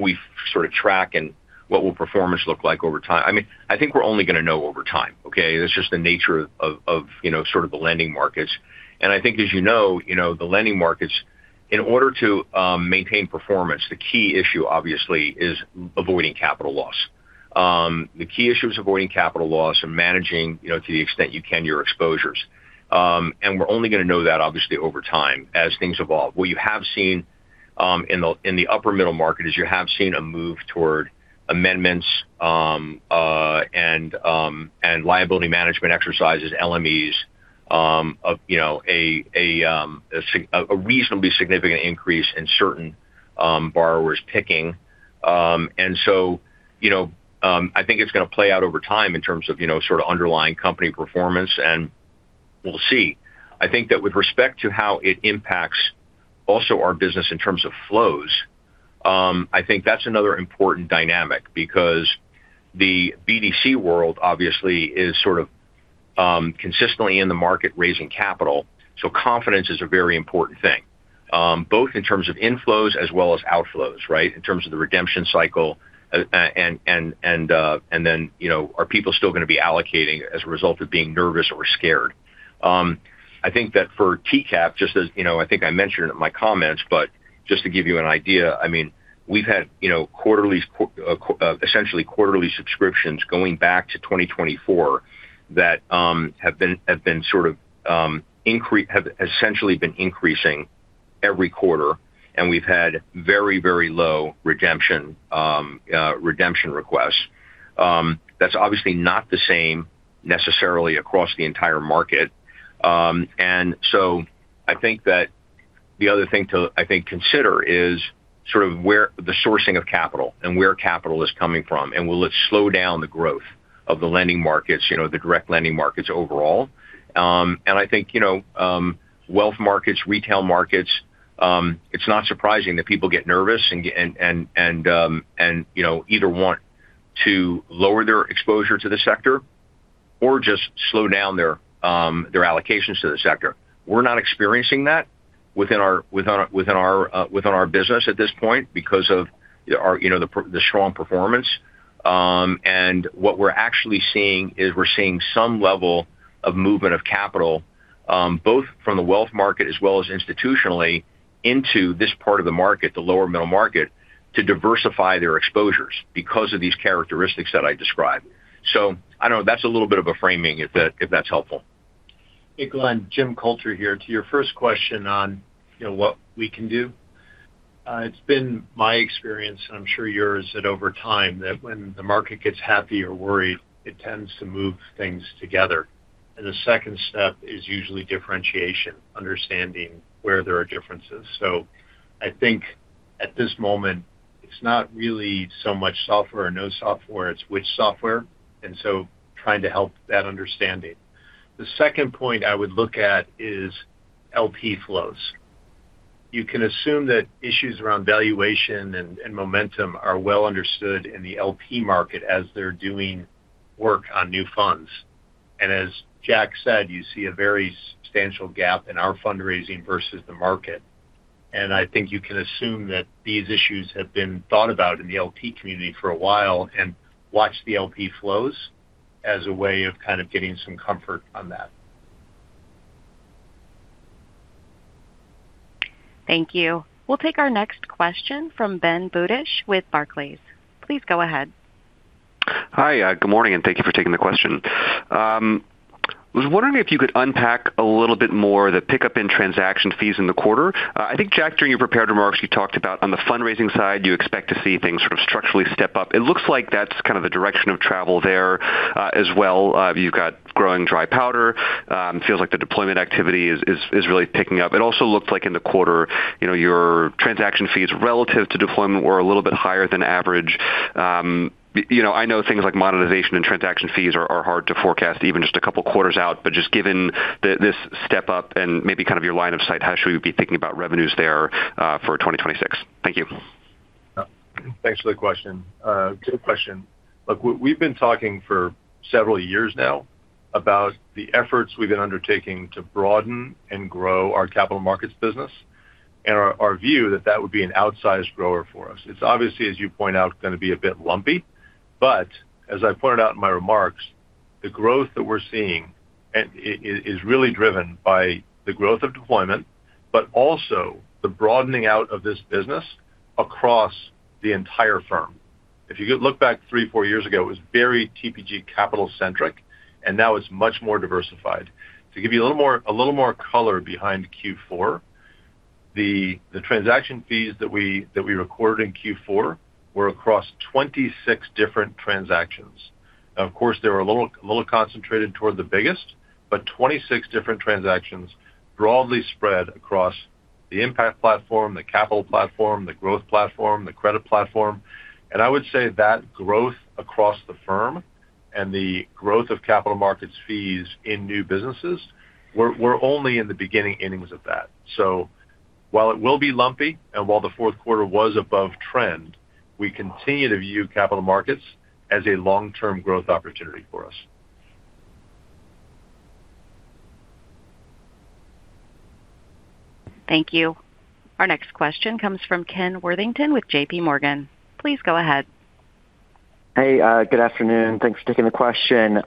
we sort of track, and what will performance look like over time? I mean, I think we're only gonna know over time, okay? That's just the nature of, you know, sort of the lending markets. And I think, as you know, you know, the lending markets, in order to maintain performance, the key issue, obviously, is avoiding capital loss. The key issue is avoiding capital loss and managing, you know, to the extent you can, your exposures. And we're only gonna know that obviously over time, as things evolve. What you have seen, in the upper middle market, is you have seen a move toward amendments, and liability management exercises, LMEs, of, you know, a reasonably significant increase in certain borrowers picking. And so, you know, I think it's gonna play out over time in terms of, you know, sort of underlying company performance, and we'll see. I think that with respect to how it impacts also our business in terms of flows, I think that's another important dynamic. Because the BDC world, obviously, is sort of consistently in the market, raising capital, so confidence is a very important thing, both in terms of inflows as well as outflows, right? In terms of the redemption cycle, you know, are people still gonna be allocating as a result of being nervous or scared? I think that for TCAP, just as, you know, I think I mentioned in my comments, but just to give you an idea, I mean, we've had, you know, quarterly subscriptions going back to 2024, that have essentially been increasing every quarter, and we've had very, very low redemption requests. That's obviously not the same necessarily across the entire market. And so I think that the other thing to consider is sort of where the sourcing of capital and where capital is coming from, and will it slow down the growth of the lending markets, you know, the direct lending markets overall? And I think, you know, wealth markets, retail markets, it's not surprising that people get nervous and, you know, either want to lower their exposure to the sector or just slow down their allocations to the sector. We're not experiencing that within our business at this point because of our, you know, the strong performance. and what we're actually seeing, is we're seeing some level of movement of capital, both from the wealth market as well as institutionally, into this part of the market, the lower middle market, to diversify their exposures because of these characteristics that I described. So I don't know. That's a little bit of a framing, if that, if that's helpful. Hey, Glenn, Jim Coulter here. To your first question on, you know, what we can do. It's been my experience, and I'm sure yours, that over time, that when the market gets happy or worried, it tends to move things together. And the second step is usually differentiation, understanding where there are differences. So I think at this moment, it's not really so much software or no software, it's which software, and so trying to help that understanding. The second point I would look at is LP flows. You can assume that issues around valuation and momentum are well understood in the LP market as they're doing work on new funds. ...And as Jack said, you see a very substantial gap in our fundraising versus the market. And I think you can assume that these issues have been thought about in the LP community for a while, and watch the LP flows as a way of kind of getting some comfort on that. Thank you. We'll take our next question from Ben Budish with Barclays. Please go ahead. Hi, good morning, and thank you for taking the question. I was wondering if you could unpack a little bit more the pickup in transaction fees in the quarter. I think, Jack, during your prepared remarks, you talked about on the fundraising side, you expect to see things sort of structurally step up. It looks like that's kind of the direction of travel there, as well. You've got growing dry powder. It feels like the deployment activity is really picking up. It also looked like in the quarter, you know, your transaction fees relative to deployment were a little bit higher than average. You know, I know things like monetization and transaction fees are, are hard to forecast, even just a couple quarters out, but just given the-- this step up and maybe kind of your line of sight, how should we be thinking about revenues there, for 2026? Thank you. Thanks for the question. Good question. Look, we've been talking for several years now about the efforts we've been undertaking to broaden and grow our capital markets business and our view that that would be an outsized grower for us. It's obviously, as you point out, gonna be a bit lumpy, but as I pointed out in my remarks, the growth that we're seeing is really driven by the growth of deployment, but also the broadening out of this business across the entire firm. If you could look back three, four years ago, it was very TPG Capital-centric, and now it's much more diversified. To give you a little more color behind Q4, the transaction fees that we recorded in Q4 were across 26 different transactions. Of course, they were a little, little concentrated toward the biggest, but 26 different transactions broadly spread across the impact platform, the capital platform, the growth platform, the credit platform. I would say that growth across the firm and the growth of capital markets fees in new businesses, we're, we're only in the beginning innings of that. So while it will be lumpy, and while the fourth quarter was above trend, we continue to view capital markets as a long-term growth opportunity for us. Thank you. Our next question comes from Ken Worthington with J.P. Morgan. Please go ahead. Hey, good afternoon. Thanks for taking the question.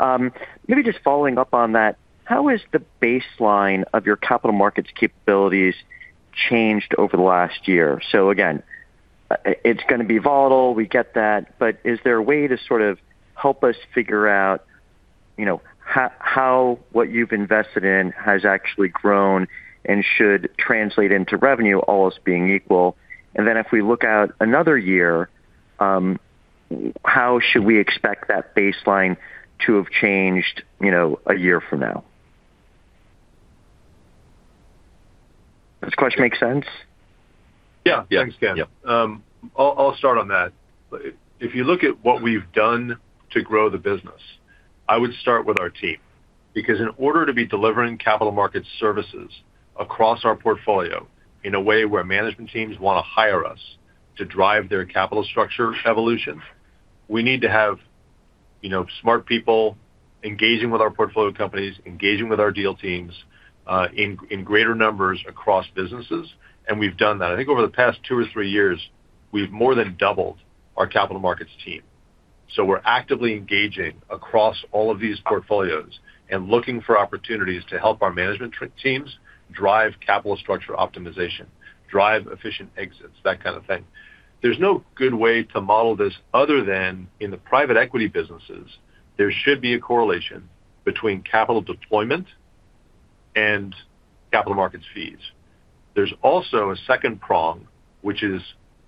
Maybe just following up on that, how has the baseline of your capital markets capabilities changed over the last year? So again, it's gonna be volatile, we get that, but is there a way to sort of help us figure out, you know, how what you've invested in has actually grown and should translate into revenue, all else being equal? And then if we look out another year, how should we expect that baseline to have changed, you know, a year from now? Does this question make sense? Yeah. Yeah. Thanks, Ken. Yeah. I'll start on that. If you look at what we've done to grow the business, I would start with our team, because in order to be delivering capital market services across our portfolio in a way where management teams want to hire us to drive their capital structure evolution, we need to have, you know, smart people engaging with our portfolio companies, engaging with our deal teams, in greater numbers across businesses, and we've done that. I think over the past two or three years, we've more than doubled our capital markets team. So we're actively engaging across all of these portfolios and looking for opportunities to help our management teams drive capital structure optimization, drive efficient exits, that kind of thing. There's no good way to model this other than in the private equity businesses, there should be a correlation between capital deployment and capital markets fees. There's also a second prong, which is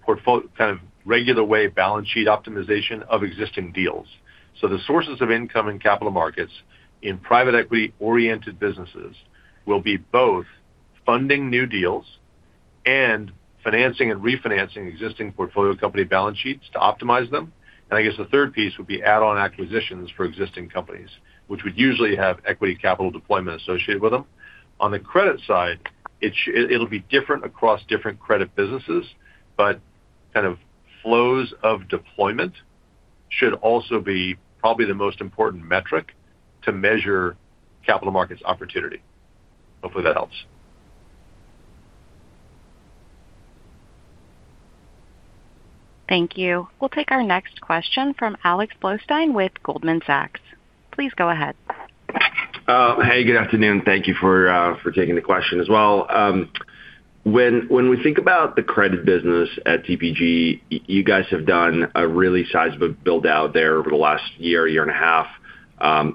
portfolio—kind of regular way balance sheet optimization of existing deals. So the sources of income in capital markets, in private equity-oriented businesses, will be both funding new deals and financing and refinancing existing portfolio company balance sheets to optimize them. And I guess the third piece would be add-on acquisitions for existing companies, which would usually have equity capital deployment associated with them. On the credit side, it'll be different across different credit businesses, but kind of flows of deployment should also be probably the most important metric to measure capital markets opportunity. Hopefully, that helps. Thank you. We'll take our next question from Alex Blostein with Goldman Sachs. Please go ahead. Hey, good afternoon. Thank you for, for taking the question as well. When we think about the credit business at TPG, you guys have done a really sizable build-out there over the last year, year and a half,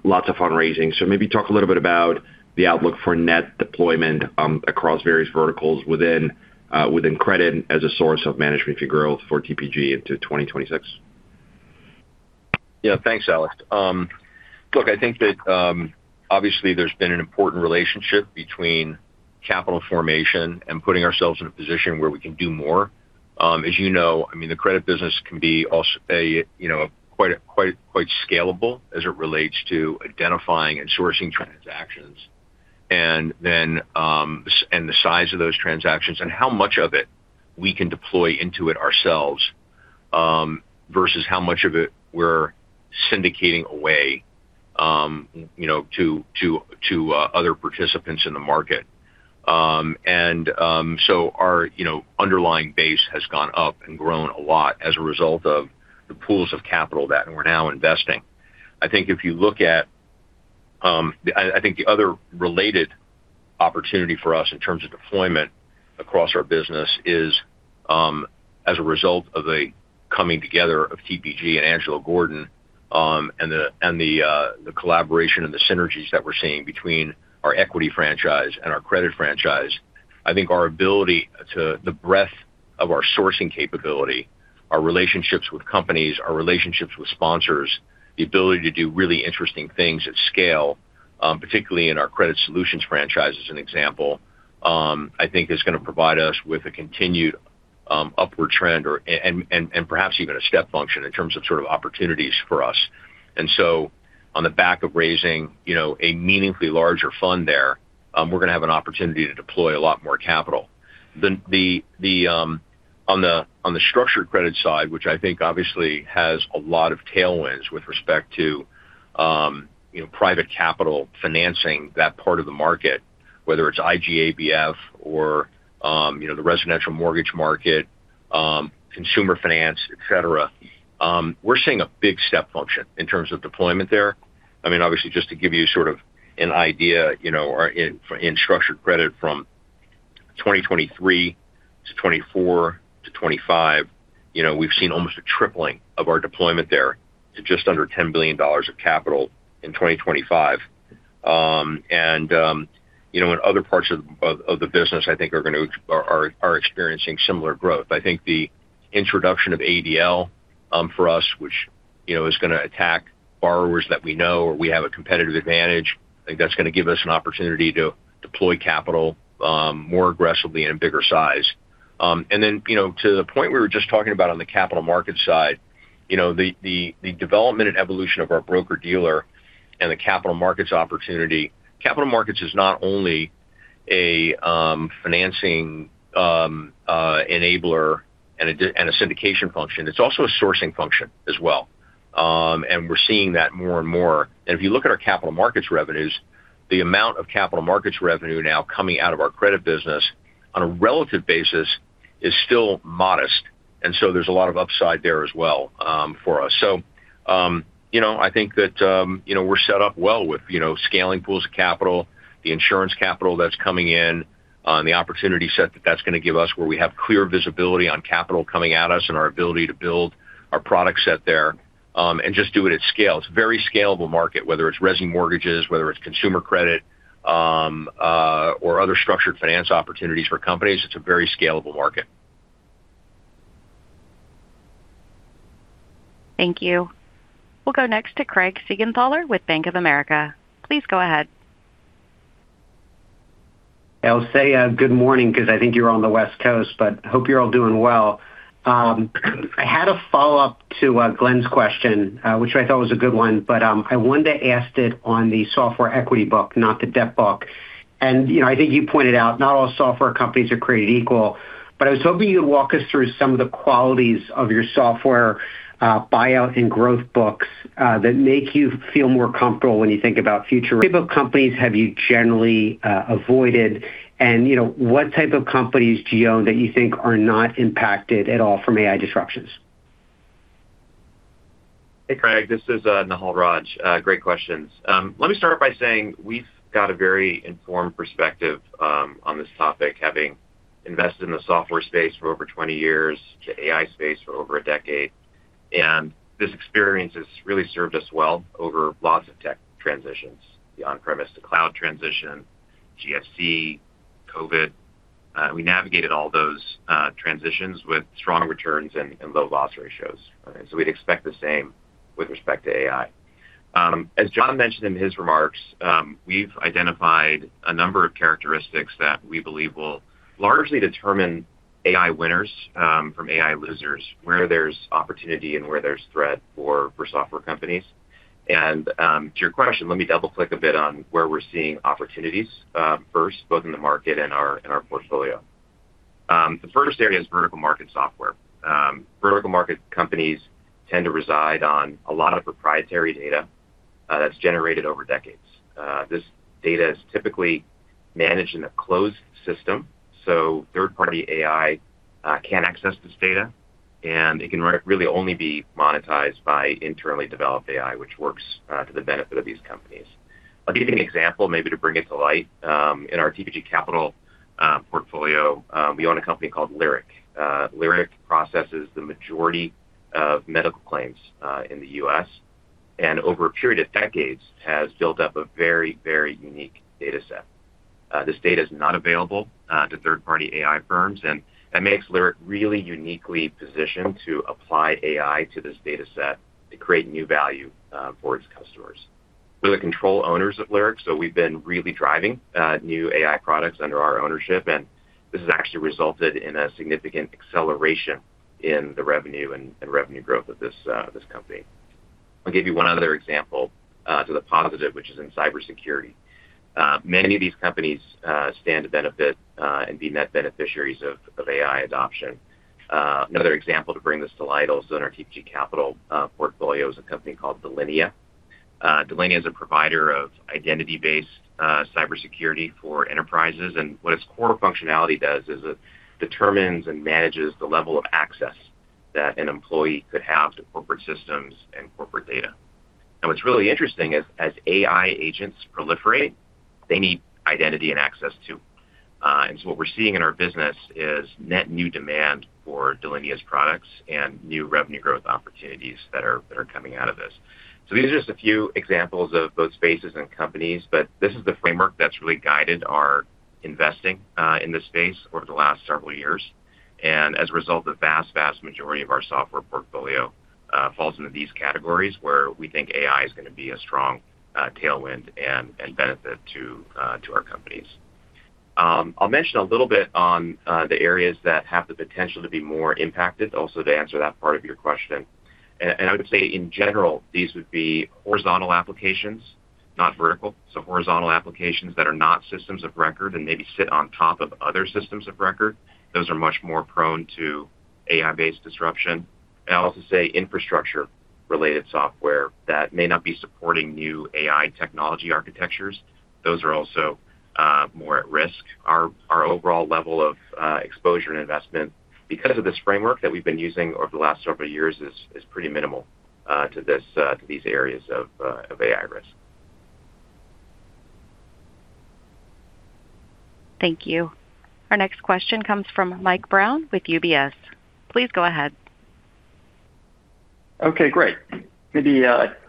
lots of fundraising. So maybe talk a little bit about the outlook for net deployment, across various verticals within, within credit as a source of management fee growth for TPG into 2026. Yeah, thanks, Alex. Look, I think that obviously there's been an important relationship between capital formation and putting ourselves in a position where we can do more. As you know, I mean, the credit business can be also a, you know, quite scalable as it relates to identifying and sourcing transactions.... and then, and the size of those transactions, and how much of it we can deploy into it ourselves, versus how much of it we're syndicating away, you know, to other participants in the market. So our, you know, underlying base has gone up and grown a lot as a result of the pools of capital that we're now investing. I think if you look at, I think the other related opportunity for us in terms of deployment across our business is, as a result of the coming together of TPG and Angelo Gordon, and the, and the, the collaboration and the synergies that we're seeing between our equity franchise and our credit franchise. I think our ability to the breadth of our sourcing capability, our relationships with companies, our relationships with sponsors, the ability to do really interesting things at scale, particularly in our Credit Solutions franchise, as an example, I think is going to provide us with a continued upward trend or and perhaps even a step function in terms of sort of opportunities for us. And so on the back of raising, you know, a meaningfully larger fund there, we're going to have an opportunity to deploy a lot more capital. On the structured credit side, which I think obviously has a lot of tailwinds with respect to, you know, private capital financing, that part of the market, whether it's IG ABF or, you know, the residential mortgage market, consumer finance, et cetera. We're seeing a big step function in terms of deployment there. I mean, obviously, just to give you sort of an idea, you know, our structured credit from 2023-2024-2025, you know, we've seen almost a tripling of our deployment there to just under $10 billion of capital in 2025. And, you know, in other parts of the business, I think, are experiencing similar growth. I think the introduction of ADL, for us, which, you know, is going to attract borrowers that we know or we have a competitive advantage, I think that's going to give us an opportunity to deploy capital, more aggressively in a bigger size. And then, you know, to the point we were just talking about on the capital market side, you know, the development and evolution of our broker-dealer and the capital markets opportunity. Capital markets is not only a financing enabler and a syndication function, it's also a sourcing function as well. And we're seeing that more and more. And if you look at our capital markets revenues, the amount of capital markets revenue now coming out of our credit business on a relative basis is still modest, and so there's a lot of upside there as well, for us. So, you know, I think that, you know, we're set up well with, you know, scaling pools of capital, the insurance capital that's coming in, the opportunity set that that's going to give us, where we have clear visibility on capital coming at us and our ability to build our product set there, and just do it at scale. It's a very scalable market, whether it's resi mortgages, whether it's consumer credit, or other structured finance opportunities for companies. It's a very scalable market. Thank you. We'll go next to Craig Siegenthaler with Bank of America. Please go ahead. I'll say, good morning, because I think you're on the West Coast, but hope you're all doing well. I had a follow-up to, Glenn's question, which I thought was a good one, but, I wanted to ask it on the software equity book, not the debt book. And, you know, I think you pointed out not all software companies are created equal, but I was hoping you'd walk us through some of the qualities of your software, buyout and growth books, that make you feel more comfortable when you think about future... What type of companies have you generally, avoided? And you know, what type of companies do you own that you think are not impacted at all from AI disruptions? Hey, Craig, this is Nehal Raj. Great questions. Let me start by saying we've got a very informed perspective on this topic, having invested in the software space for over 20 years, to AI space for over a decade. And this experience has really served us well over lots of tech transitions, the on-premise to cloud transition, GFC, COVID. We navigated all those transitions with strong returns and low loss ratios. So we'd expect the same with respect to AI. As John mentioned in his remarks, we've identified a number of characteristics that we believe will largely determine AI winners from AI losers, where there's opportunity and where there's threat for software companies. And to your question, let me double-click a bit on where we're seeing opportunities first, both in the market and our portfolio. The first area is vertical market software. Vertical market companies tend to reside on a lot of proprietary data that's generated over decades. This data is typically managed in a closed system, so third-party AI can't access this data, and it can really only be monetized by internally developed AI, which works to the benefit of these companies. I'll give you an example, maybe to bring it to light. In our TPG Capital portfolio, we own a company called Lyric. Lyric processes the majority of medical claims in the U.S., and over a period of decades, has built up a very, very unique data set. This data is not available to third-party AI firms, and that makes Lyric really uniquely positioned to apply AI to this data set to create new value for its customers. We're the control owners of Lyric, so we've been really driving new AI products under our ownership, and this has actually resulted in a significant acceleration in the revenue and revenue growth of this company.... I'll give you one other example to the positive, which is in cybersecurity. Many of these companies stand to benefit and be net beneficiaries of AI adoption. Another example to bring this to light also in our TPG Capital portfolio is a company called Delinea. Delinea is a provider of identity-based cybersecurity for enterprises, and what its core functionality does is it determines and manages the level of access that an employee could have to corporate systems and corporate data. Now, what's really interesting is, as AI agents proliferate, they need identity and access, too. And so what we're seeing in our business is net new demand for Delinea's products and new revenue growth opportunities that are coming out of this. So these are just a few examples of both spaces and companies, but this is the framework that's really guided our investing in this space over the last several years. And as a result, the vast, vast majority of our software portfolio falls into these categories, where we think AI is going to be a strong tailwind and, and benefit to, to our companies. I'll mention a little bit on the areas that have the potential to be more impacted, also, to answer that part of your question. And, and I would say, in general, these would be horizontal applications, not vertical. So horizontal applications that are not systems of record and maybe sit on top of other systems of record, those are much more prone to AI-based disruption. I'll also say infrastructure-related software that may not be supporting new AI technology architectures, those are also more at risk. Our overall level of exposure and investment, because of this framework that we've been using over the last several years, is pretty minimal to this to these areas of AI risk. Thank you. Our next question comes from Mike Brown with UBS. Please go ahead. Okay, great. Maybe,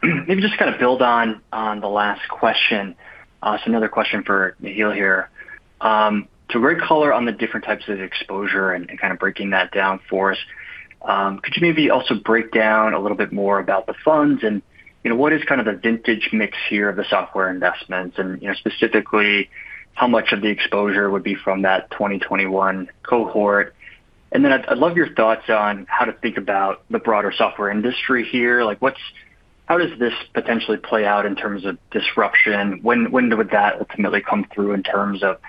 maybe just kind of build on, on the last question. So another question for Nihal here. To color on the different types of exposure and, and kind of breaking that down for us, could you maybe also break down a little bit more about the funds and, you know, what is kind of the vintage mix here of the software investments? And, you know, specifically, how much of the exposure would be from that 2021 cohort? And then I'd, I'd love your thoughts on how to think about the broader software industry here. Like, what's, how does this potentially play out in terms of disruption? When, when would that ultimately come through in terms of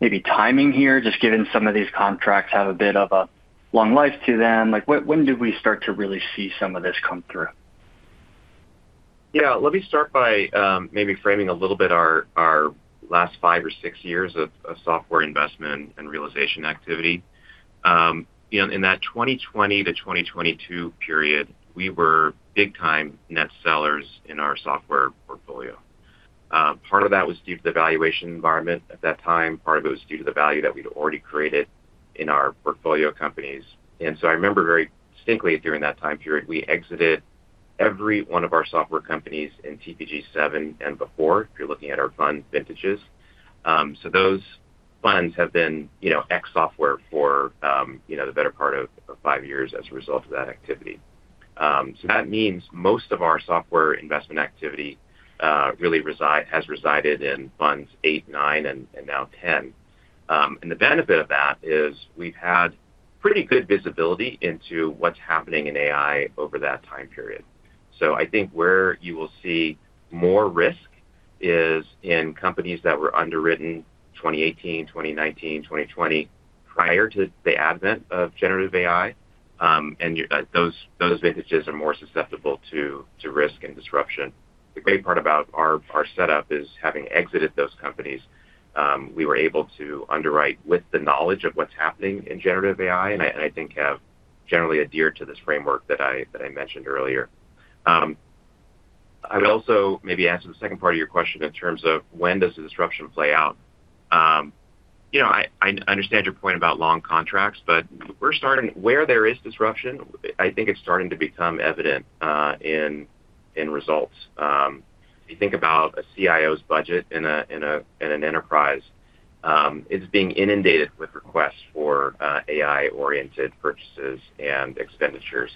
maybe timing here, just given some of these contracts have a bit of a long life to them? Like, when do we start to really see some of this come through? Yeah. Let me start by maybe framing a little bit our, our last five or six years of, of software investment and realization activity. You know, in that 2020-2022 period, we were big-time net sellers in our software portfolio. Part of that was due to the valuation environment at that time. Part of it was due to the value that we'd already created in our portfolio companies. And so I remember very distinctly during that time period, we exited every one of our software companies in TPG VII and before, if you're looking at our fund vintages. So those funds have been, you know, ex-software for, you know, the better part of, of five years as a result of that activity. So that means most of our software investment activity really has resided in Funds VIII, IX, and now X. And the benefit of that is we've had pretty good visibility into what's happening in AI over that time period. So I think where you will see more risk is in companies that were underwritten 2018, 2019, 2020, prior to the advent of generative AI. And those vintages are more susceptible to risk and disruption. The great part about our setup is, having exited those companies, we were able to underwrite with the knowledge of what's happening in generative AI, and I think have generally adhered to this framework that I mentioned earlier. I'd also maybe answer the second part of your question in terms of when does the disruption play out. You know, I understand your point about long contracts, but we're starting... Where there is disruption, I think it's starting to become evident in results. If you think about a CIO's budget in an enterprise, it's being inundated with requests for AI-oriented purchases and expenditures.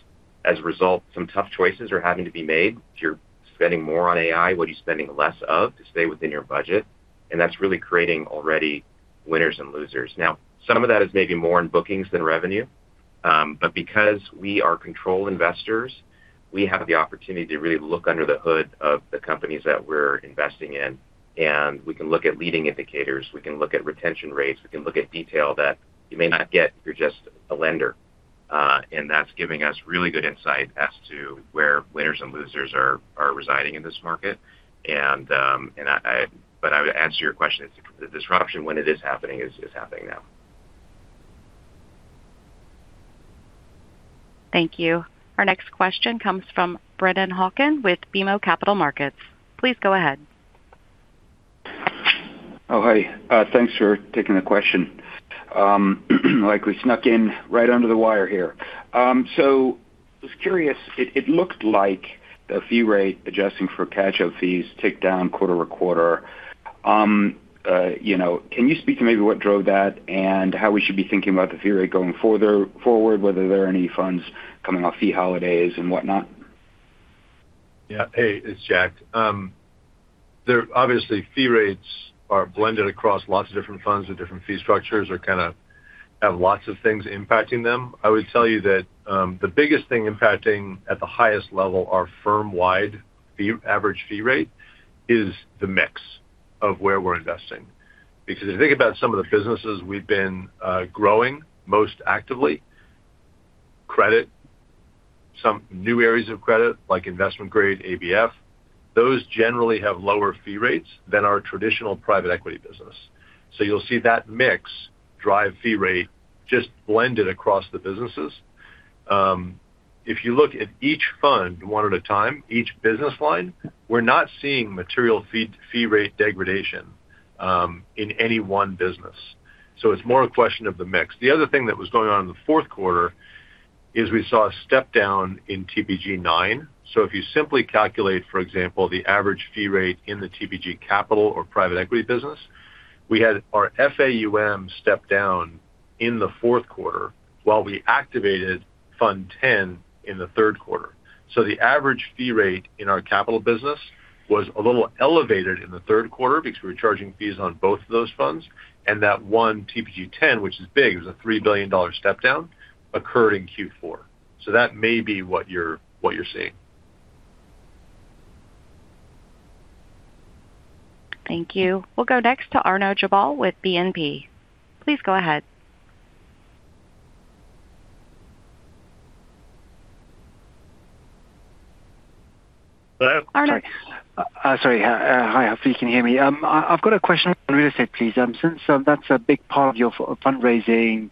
As a result, some tough choices are having to be made. If you're spending more on AI, what are you spending less of to stay within your budget? And that's really creating already winners and losers. Now, some of that is maybe more in bookings than revenue. But because we are control investors, we have the opportunity to really look under the hood of the companies that we're investing in, and we can look at leading indicators, we can look at retention rates, we can look at detail that you may not get if you're just a lender. And that's giving us really good insight as to where winners and losers are residing in this market. But I would answer your question, the disruption, when it is happening, is happening now. Thank you. Our next question comes from Brennan Hawken with BMO Capital Markets. Please go ahead. Oh, hi. Thanks for taking the question. Like, we snuck in right under the wire here. So just curious, it looked like the fee rate, adjusting for catch-up fees, ticked down quarter-over-quarter. You know, can you speak to maybe what drove that and how we should be thinking about the fee rate going forward, whether there are any funds coming off fee holidays and whatnot? Yeah. Hey, it's Jack.... There, obviously, fee rates are blended across lots of different funds with different fee structures or kind of have lots of things impacting them. I would tell you that, the biggest thing impacting at the highest level, our firm-wide fee, average fee rate, is the mix of where we're investing. Because if you think about some of the businesses we've been, growing most actively, credit, some new areas of credit, like investment-grade ABF, those generally have lower fee rates than our traditional private equity business. So you'll see that mix drive fee rate just blended across the businesses. If you look at each fund, one at a time, each business line, we're not seeing material fee, fee rate degradation, in any one business. So it's more a question of the mix. The other thing that was going on in the fourth quarter is we saw a step down in TPG IX. So if you simply calculate, for example, the average fee rate in the TPG Capital or private equity business, we had our FAUM step down in the fourth quarter while we activated Fund X in the third quarter. So the average fee rate in our capital business was a little elevated in the third quarter because we were charging fees on both of those funds, and that one, TPG X, which is big, it was a $3 billion step down, occurred in Q4. So that may be what you're, what you're seeing. Thank you. We'll go next to Arnaud Giblat with BNP. Please go ahead. Hello. Arnaud. Sorry. Sorry, hi, hopefully you can hear me. I've got a question on real estate, please. Since that's a big part of your fundraising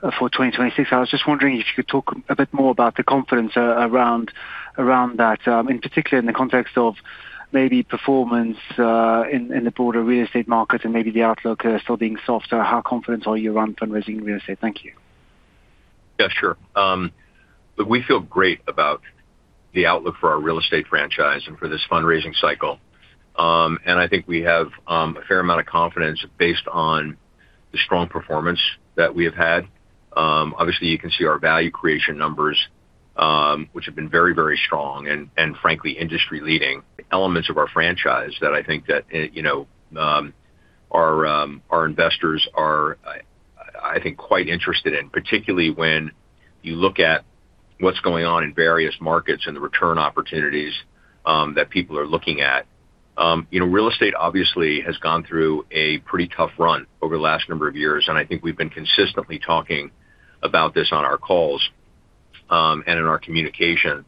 for 2026, I was just wondering if you could talk a bit more about the confidence around that, in particular, in the context of maybe performance in the broader real estate market and maybe the outlook still being softer. How confident are you around fundraising real estate? Thank you. Yeah, sure. Look, we feel great about the outlook for our real estate franchise and for this fundraising cycle. And I think we have a fair amount of confidence based on the strong performance that we have had. Obviously, you can see our value creation numbers, which have been very, very strong and, and frankly, industry-leading elements of our franchise that I think that, you know, our our investors are, I, I think, quite interested in, particularly when you look at what's going on in various markets and the return opportunities, that people are looking at. You know, real estate obviously has gone through a pretty tough run over the last number of years, and I think we've been consistently talking about this on our calls, and in our communication,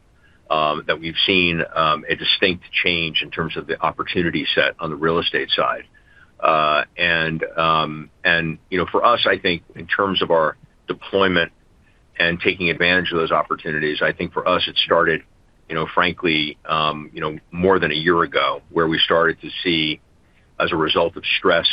that we've seen a distinct change in terms of the opportunity set on the real estate side. And you know, for us, I think in terms of our deployment and taking advantage of those opportunities, I think for us, it started, you know, frankly, you know, more than a year ago, where we started to see, as a result of stress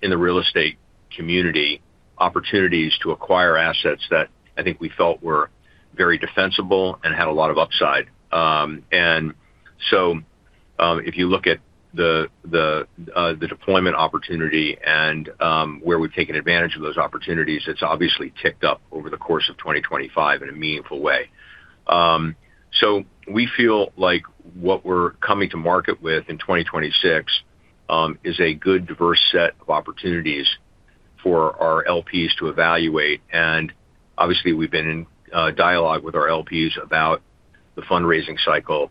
in the real estate community, opportunities to acquire assets that I think we felt were very defensible and had a lot of upside. And so, if you look at the deployment opportunity and where we've taken advantage of those opportunities, it's obviously ticked up over the course of 2025 in a meaningful way. So we feel like what we're coming to market with in 2026 is a good, diverse set of opportunities for our LPs to evaluate. And obviously, we've been in dialogue with our LPs about the fundraising cycle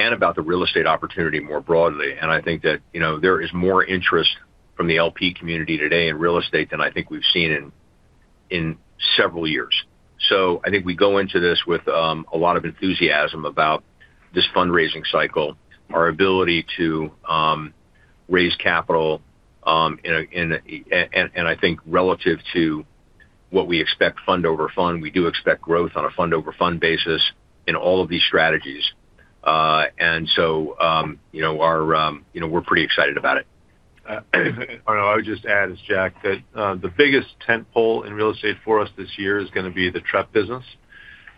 and about the real estate opportunity more broadly. And I think that, you know, there is more interest from the LP community today in real estate than I think we've seen in several years. So I think we go into this with a lot of enthusiasm about this fundraising cycle, our ability to raise capital, and I think relative to what we expect fund-over-fund, we do expect growth on a fund-over-fund basis in all of these strategies. And so, you know, we're pretty excited about it. I would just add, as Jack, that, the biggest tentpole in real estate for us this year is gonna be the TREP business.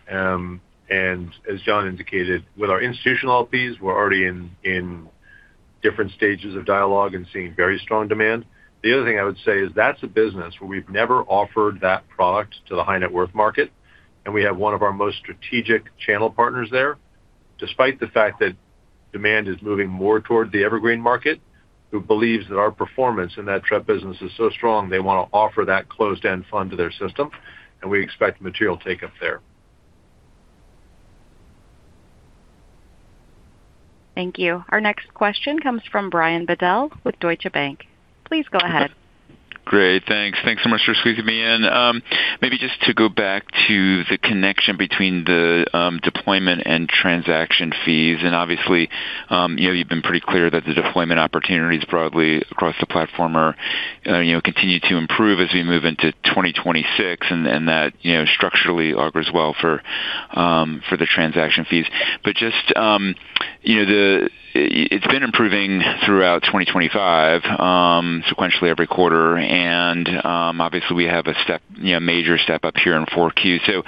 As John indicated, with our institutional LPs, we're already in, in different stages of dialogue and seeing very strong demand. The other thing I would say is that's a business where we've never offered that product to the high-net-worth market, and we have one of our most strategic channel partners there, despite the fact that demand is moving more toward the evergreen market, who believes that our performance in that TREP business is so strong, they want to offer that closed-end fund to their system, and we expect material take-up there. Thank you. Our next question comes from Brian Bedell with Deutsche Bank. Please go ahead. Great, thanks. Thanks so much for squeezing me in. Maybe just to go back to the connection between the deployment and transaction fees, and obviously, you know, you've been pretty clear that the deployment opportunities broadly across the platform are, you know, continue to improve as we move into 2026, and that, you know, structurally augurs well for the transaction fees. But just, you know, the—it's been improving throughout 2025, sequentially every quarter, and obviously, we have a step, you know, major step up here in 4Q. So,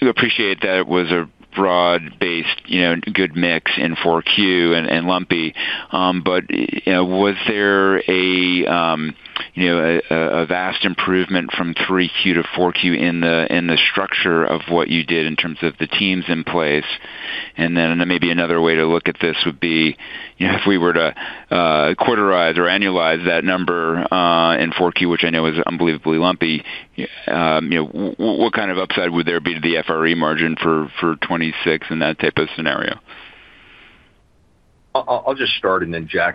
we appreciate that it was a broad-based, you know, good mix in 4Q and lumpy. But, you know, was there a vast improvement from three Q to four Q in the structure of what you did in terms of the teams in place? ...And then maybe another way to look at this would be, if we were to quarterize or annualize that number, in Q4, which I know is unbelievably lumpy, you know, what kind of upside would there be to the FRE margin for 2026 in that type of scenario? I'll just start, and then Jack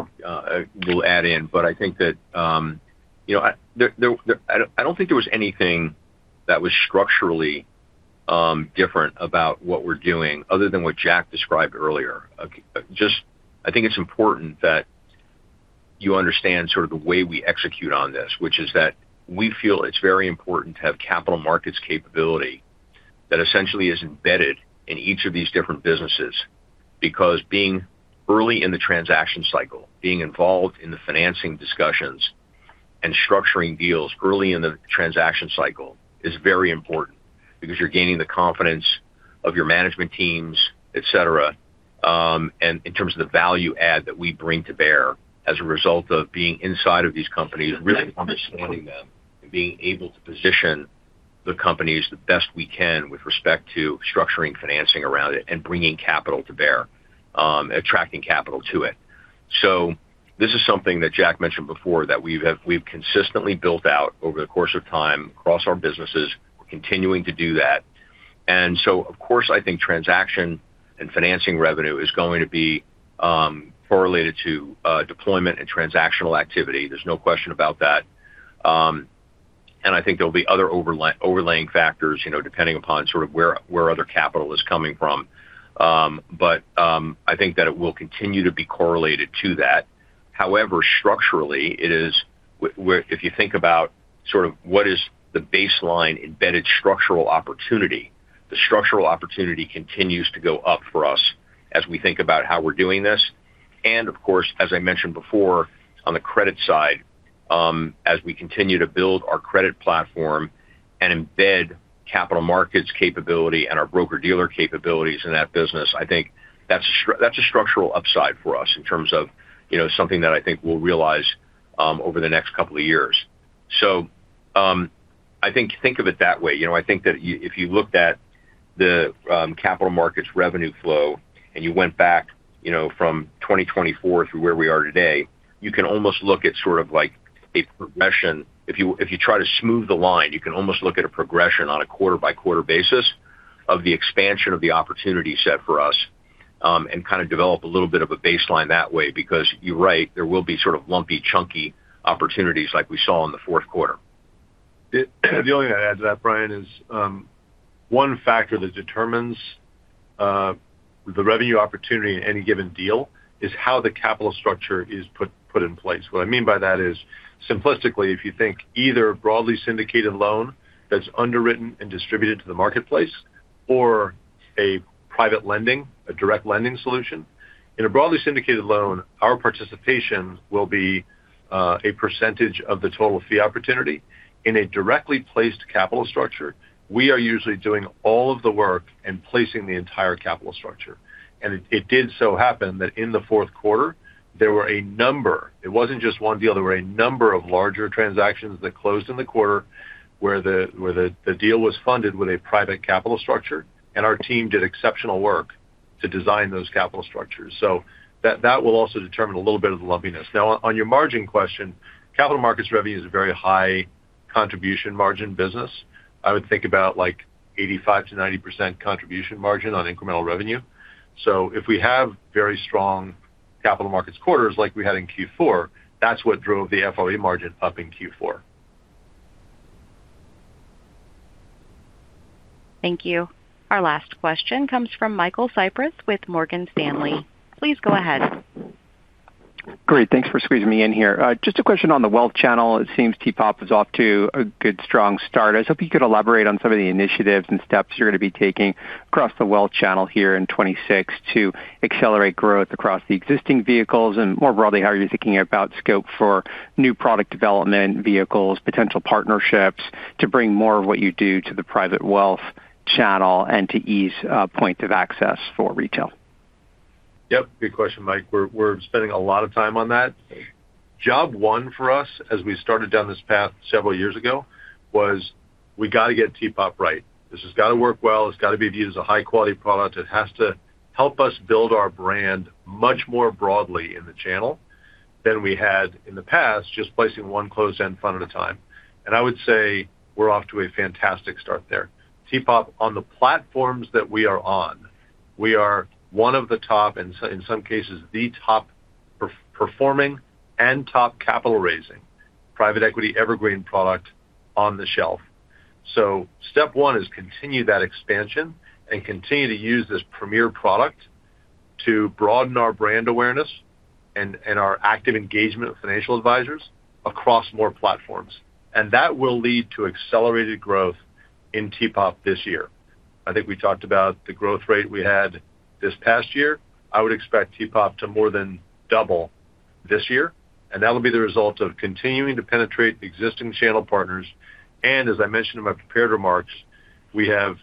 will add in. But I think that, you know, I don't think there was anything that was structurally different about what we're doing other than what Jack described earlier. Just I think it's important that you understand sort of the way we execute on this, which is that we feel it's very important to have capital markets capability that essentially is embedded in each of these different businesses. Because being early in the transaction cycle, being involved in the financing discussions and structuring deals early in the transaction cycle is very important because you're gaining the confidence of your management teams, et cetera. And in terms of the value add that we bring to bear as a result of being inside of these companies, really understanding them and being able to position the companies the best we can with respect to structuring, financing around it, and bringing capital to bear, attracting capital to it. So this is something that Jack mentioned before, that we've consistently built out over the course of time across our businesses. We're continuing to do that. And so of course, I think transaction and financing revenue is going to be correlated to deployment and transactional activity. There's no question about that. And I think there'll be other overlaying factors, you know, depending upon sort of where other capital is coming from. But I think that it will continue to be correlated to that. However, structurally it is... If you think about sort of what is the baseline embedded structural opportunity, the structural opportunity continues to go up for us as we think about how we're doing this. And of course, as I mentioned before, on the credit side, as we continue to build our credit platform and embed capital markets capability and our broker-dealer capabilities in that business, I think that's a structural upside for us in terms of, you know, something that I think we'll realize over the next couple of years. So, I think, think of it that way. You know, I think that if you looked at the capital markets revenue flow and you went back, you know, from 2024 through where we are today, you can almost look at sort of like a progression. If you, if you try to smooth the line, you can almost look at a progression on a quarter-by-quarter basis of the expansion of the opportunity set for us, and kind of develop a little bit of a baseline that way, because you're right, there will be sort of lumpy, chunky opportunities like we saw in the fourth quarter. The only thing to add to that, Brian, is one factor that determines the revenue opportunity in any given deal is how the capital structure is put in place. What I mean by that is, simplistically, if you think either a broadly syndicated loan that's underwritten and distributed to the marketplace or a private lending, a direct lending solution. In a broadly syndicated loan, our participation will be a percentage of the total fee opportunity. In a directly placed capital structure, we are usually doing all of the work and placing the entire capital structure. And it did so happen that in the fourth quarter, there were a number... It wasn't just one deal, there were a number of larger transactions that closed in the quarter, where the deal was funded with a private capital structure, and our team did exceptional work to design those capital structures. So that will also determine a little bit of the lumpiness. Now, on your margin question, capital markets revenue is a very high contribution margin business. I would think about, like, 85%-90% contribution margin on incremental revenue. So if we have very strong capital markets quarters like we had in Q4, that's what drove the FOA margin up in Q4. Thank you. Our last question comes from Michael Cyprys with Morgan Stanley. Please go ahead. Great, thanks for squeezing me in here. Just a question on the wealth channel. It seems TPOP is off to a good, strong start. I was hoping you could elaborate on some of the initiatives and steps you're going to be taking across the wealth channel here in 2026, to accelerate growth across the existing vehicles. And more broadly, how are you thinking about scope for new product development vehicles, potential partnerships, to bring more of what you do to the private wealth channel and to ease point of access for retail? Yep, good question, Mike. We're, we're spending a lot of time on that. Job one for us, as we started down this path several years ago, was we got to get TPOP right. This has got to work well. It's got to be viewed as a high-quality product. It has to help us build our brand much more broadly in the channel than we had in the past, just placing one closed-end fund at a time. And I would say we're off to a fantastic start there. TPOP, on the platforms that we are on, we are one of the top, and in some cases, the top performing and top capital-raising private equity evergreen product on the shelf. So step one is continue that expansion and continue to use this premier product to broaden our brand awareness and, and our active engagement with financial advisors across more platforms. That will lead to accelerated growth in TPOP this year. I think we talked about the growth rate we had this past year. I would expect TPOP to more than double this year, and that will be the result of continuing to penetrate the existing channel partners, and as I mentioned in my prepared remarks, we have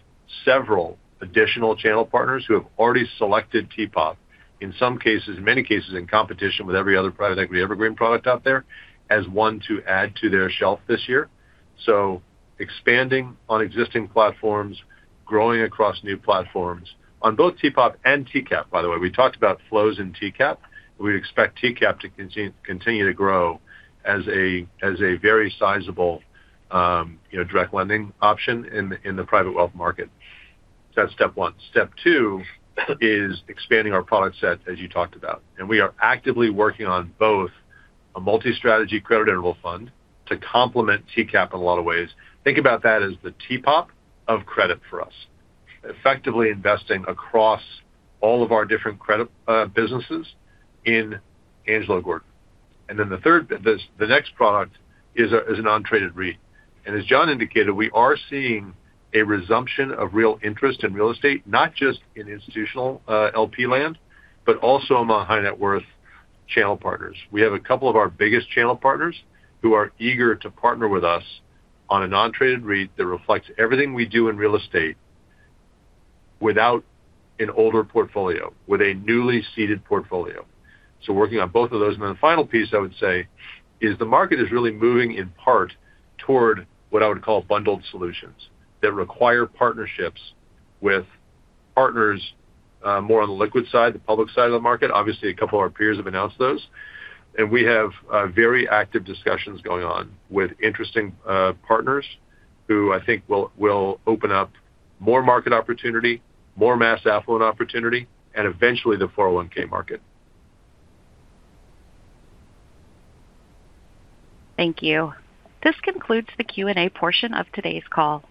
several additional channel partners who have already selected TPOP. In some cases, in many cases, in competition with every other private equity evergreen product out there, as one to add to their shelf this year... So expanding on existing platforms, growing across new platforms on both TPOP and TCAP, by the way. We talked about flows in TCAP. We expect TCAP to continue to grow as a very sizable, you know, direct lending option in the private wealth market. So that's step one. Step two is expanding our product set, as you talked about, and we are actively working on both a multi-strategy credit interval fund to complement TCAP in a lot of ways. Think about that as the TPOP of credit for us, effectively investing across all of our different credit businesses in Angelo Gordon. Then the next product is an non-traded REIT. And as John indicated, we are seeing a resumption of real interest in real estate, not just in institutional LP land, but also among high net worth channel partners. We have a couple of our biggest channel partners who are eager to partner with us on a non-traded REIT that reflects everything we do in real estate without an older portfolio, with a newly seeded portfolio. So working on both of those. And then the final piece I would say is the market is really moving in part toward what I would call bundled solutions that require partnerships with partners, more on the liquid side, the public side of the market. Obviously, a couple of our peers have announced those, and we have very active discussions going on with interesting partners who I think will open up more market opportunity, more mass affluent opportunity, and eventually the 401 market. Thank you. This concludes the Q&A portion of today's call.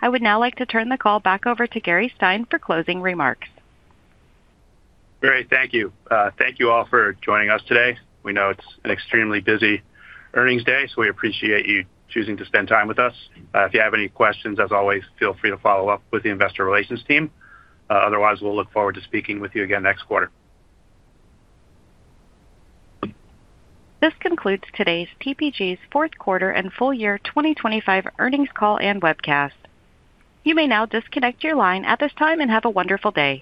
I would now like to turn the call back over to Gary Stein for closing remarks. Great, thank you. Thank you all for joining us today. We know it's an extremely busy earnings day, so we appreciate you choosing to spend time with us. If you have any questions, as always, feel free to follow up with the investor relations team. Otherwise, we'll look forward to speaking with you again next quarter. This concludes today's TPG's Fourth Quarter and Full Year 2025 earnings call and webcast. You may now disconnect your line at this time, and have a wonderful day.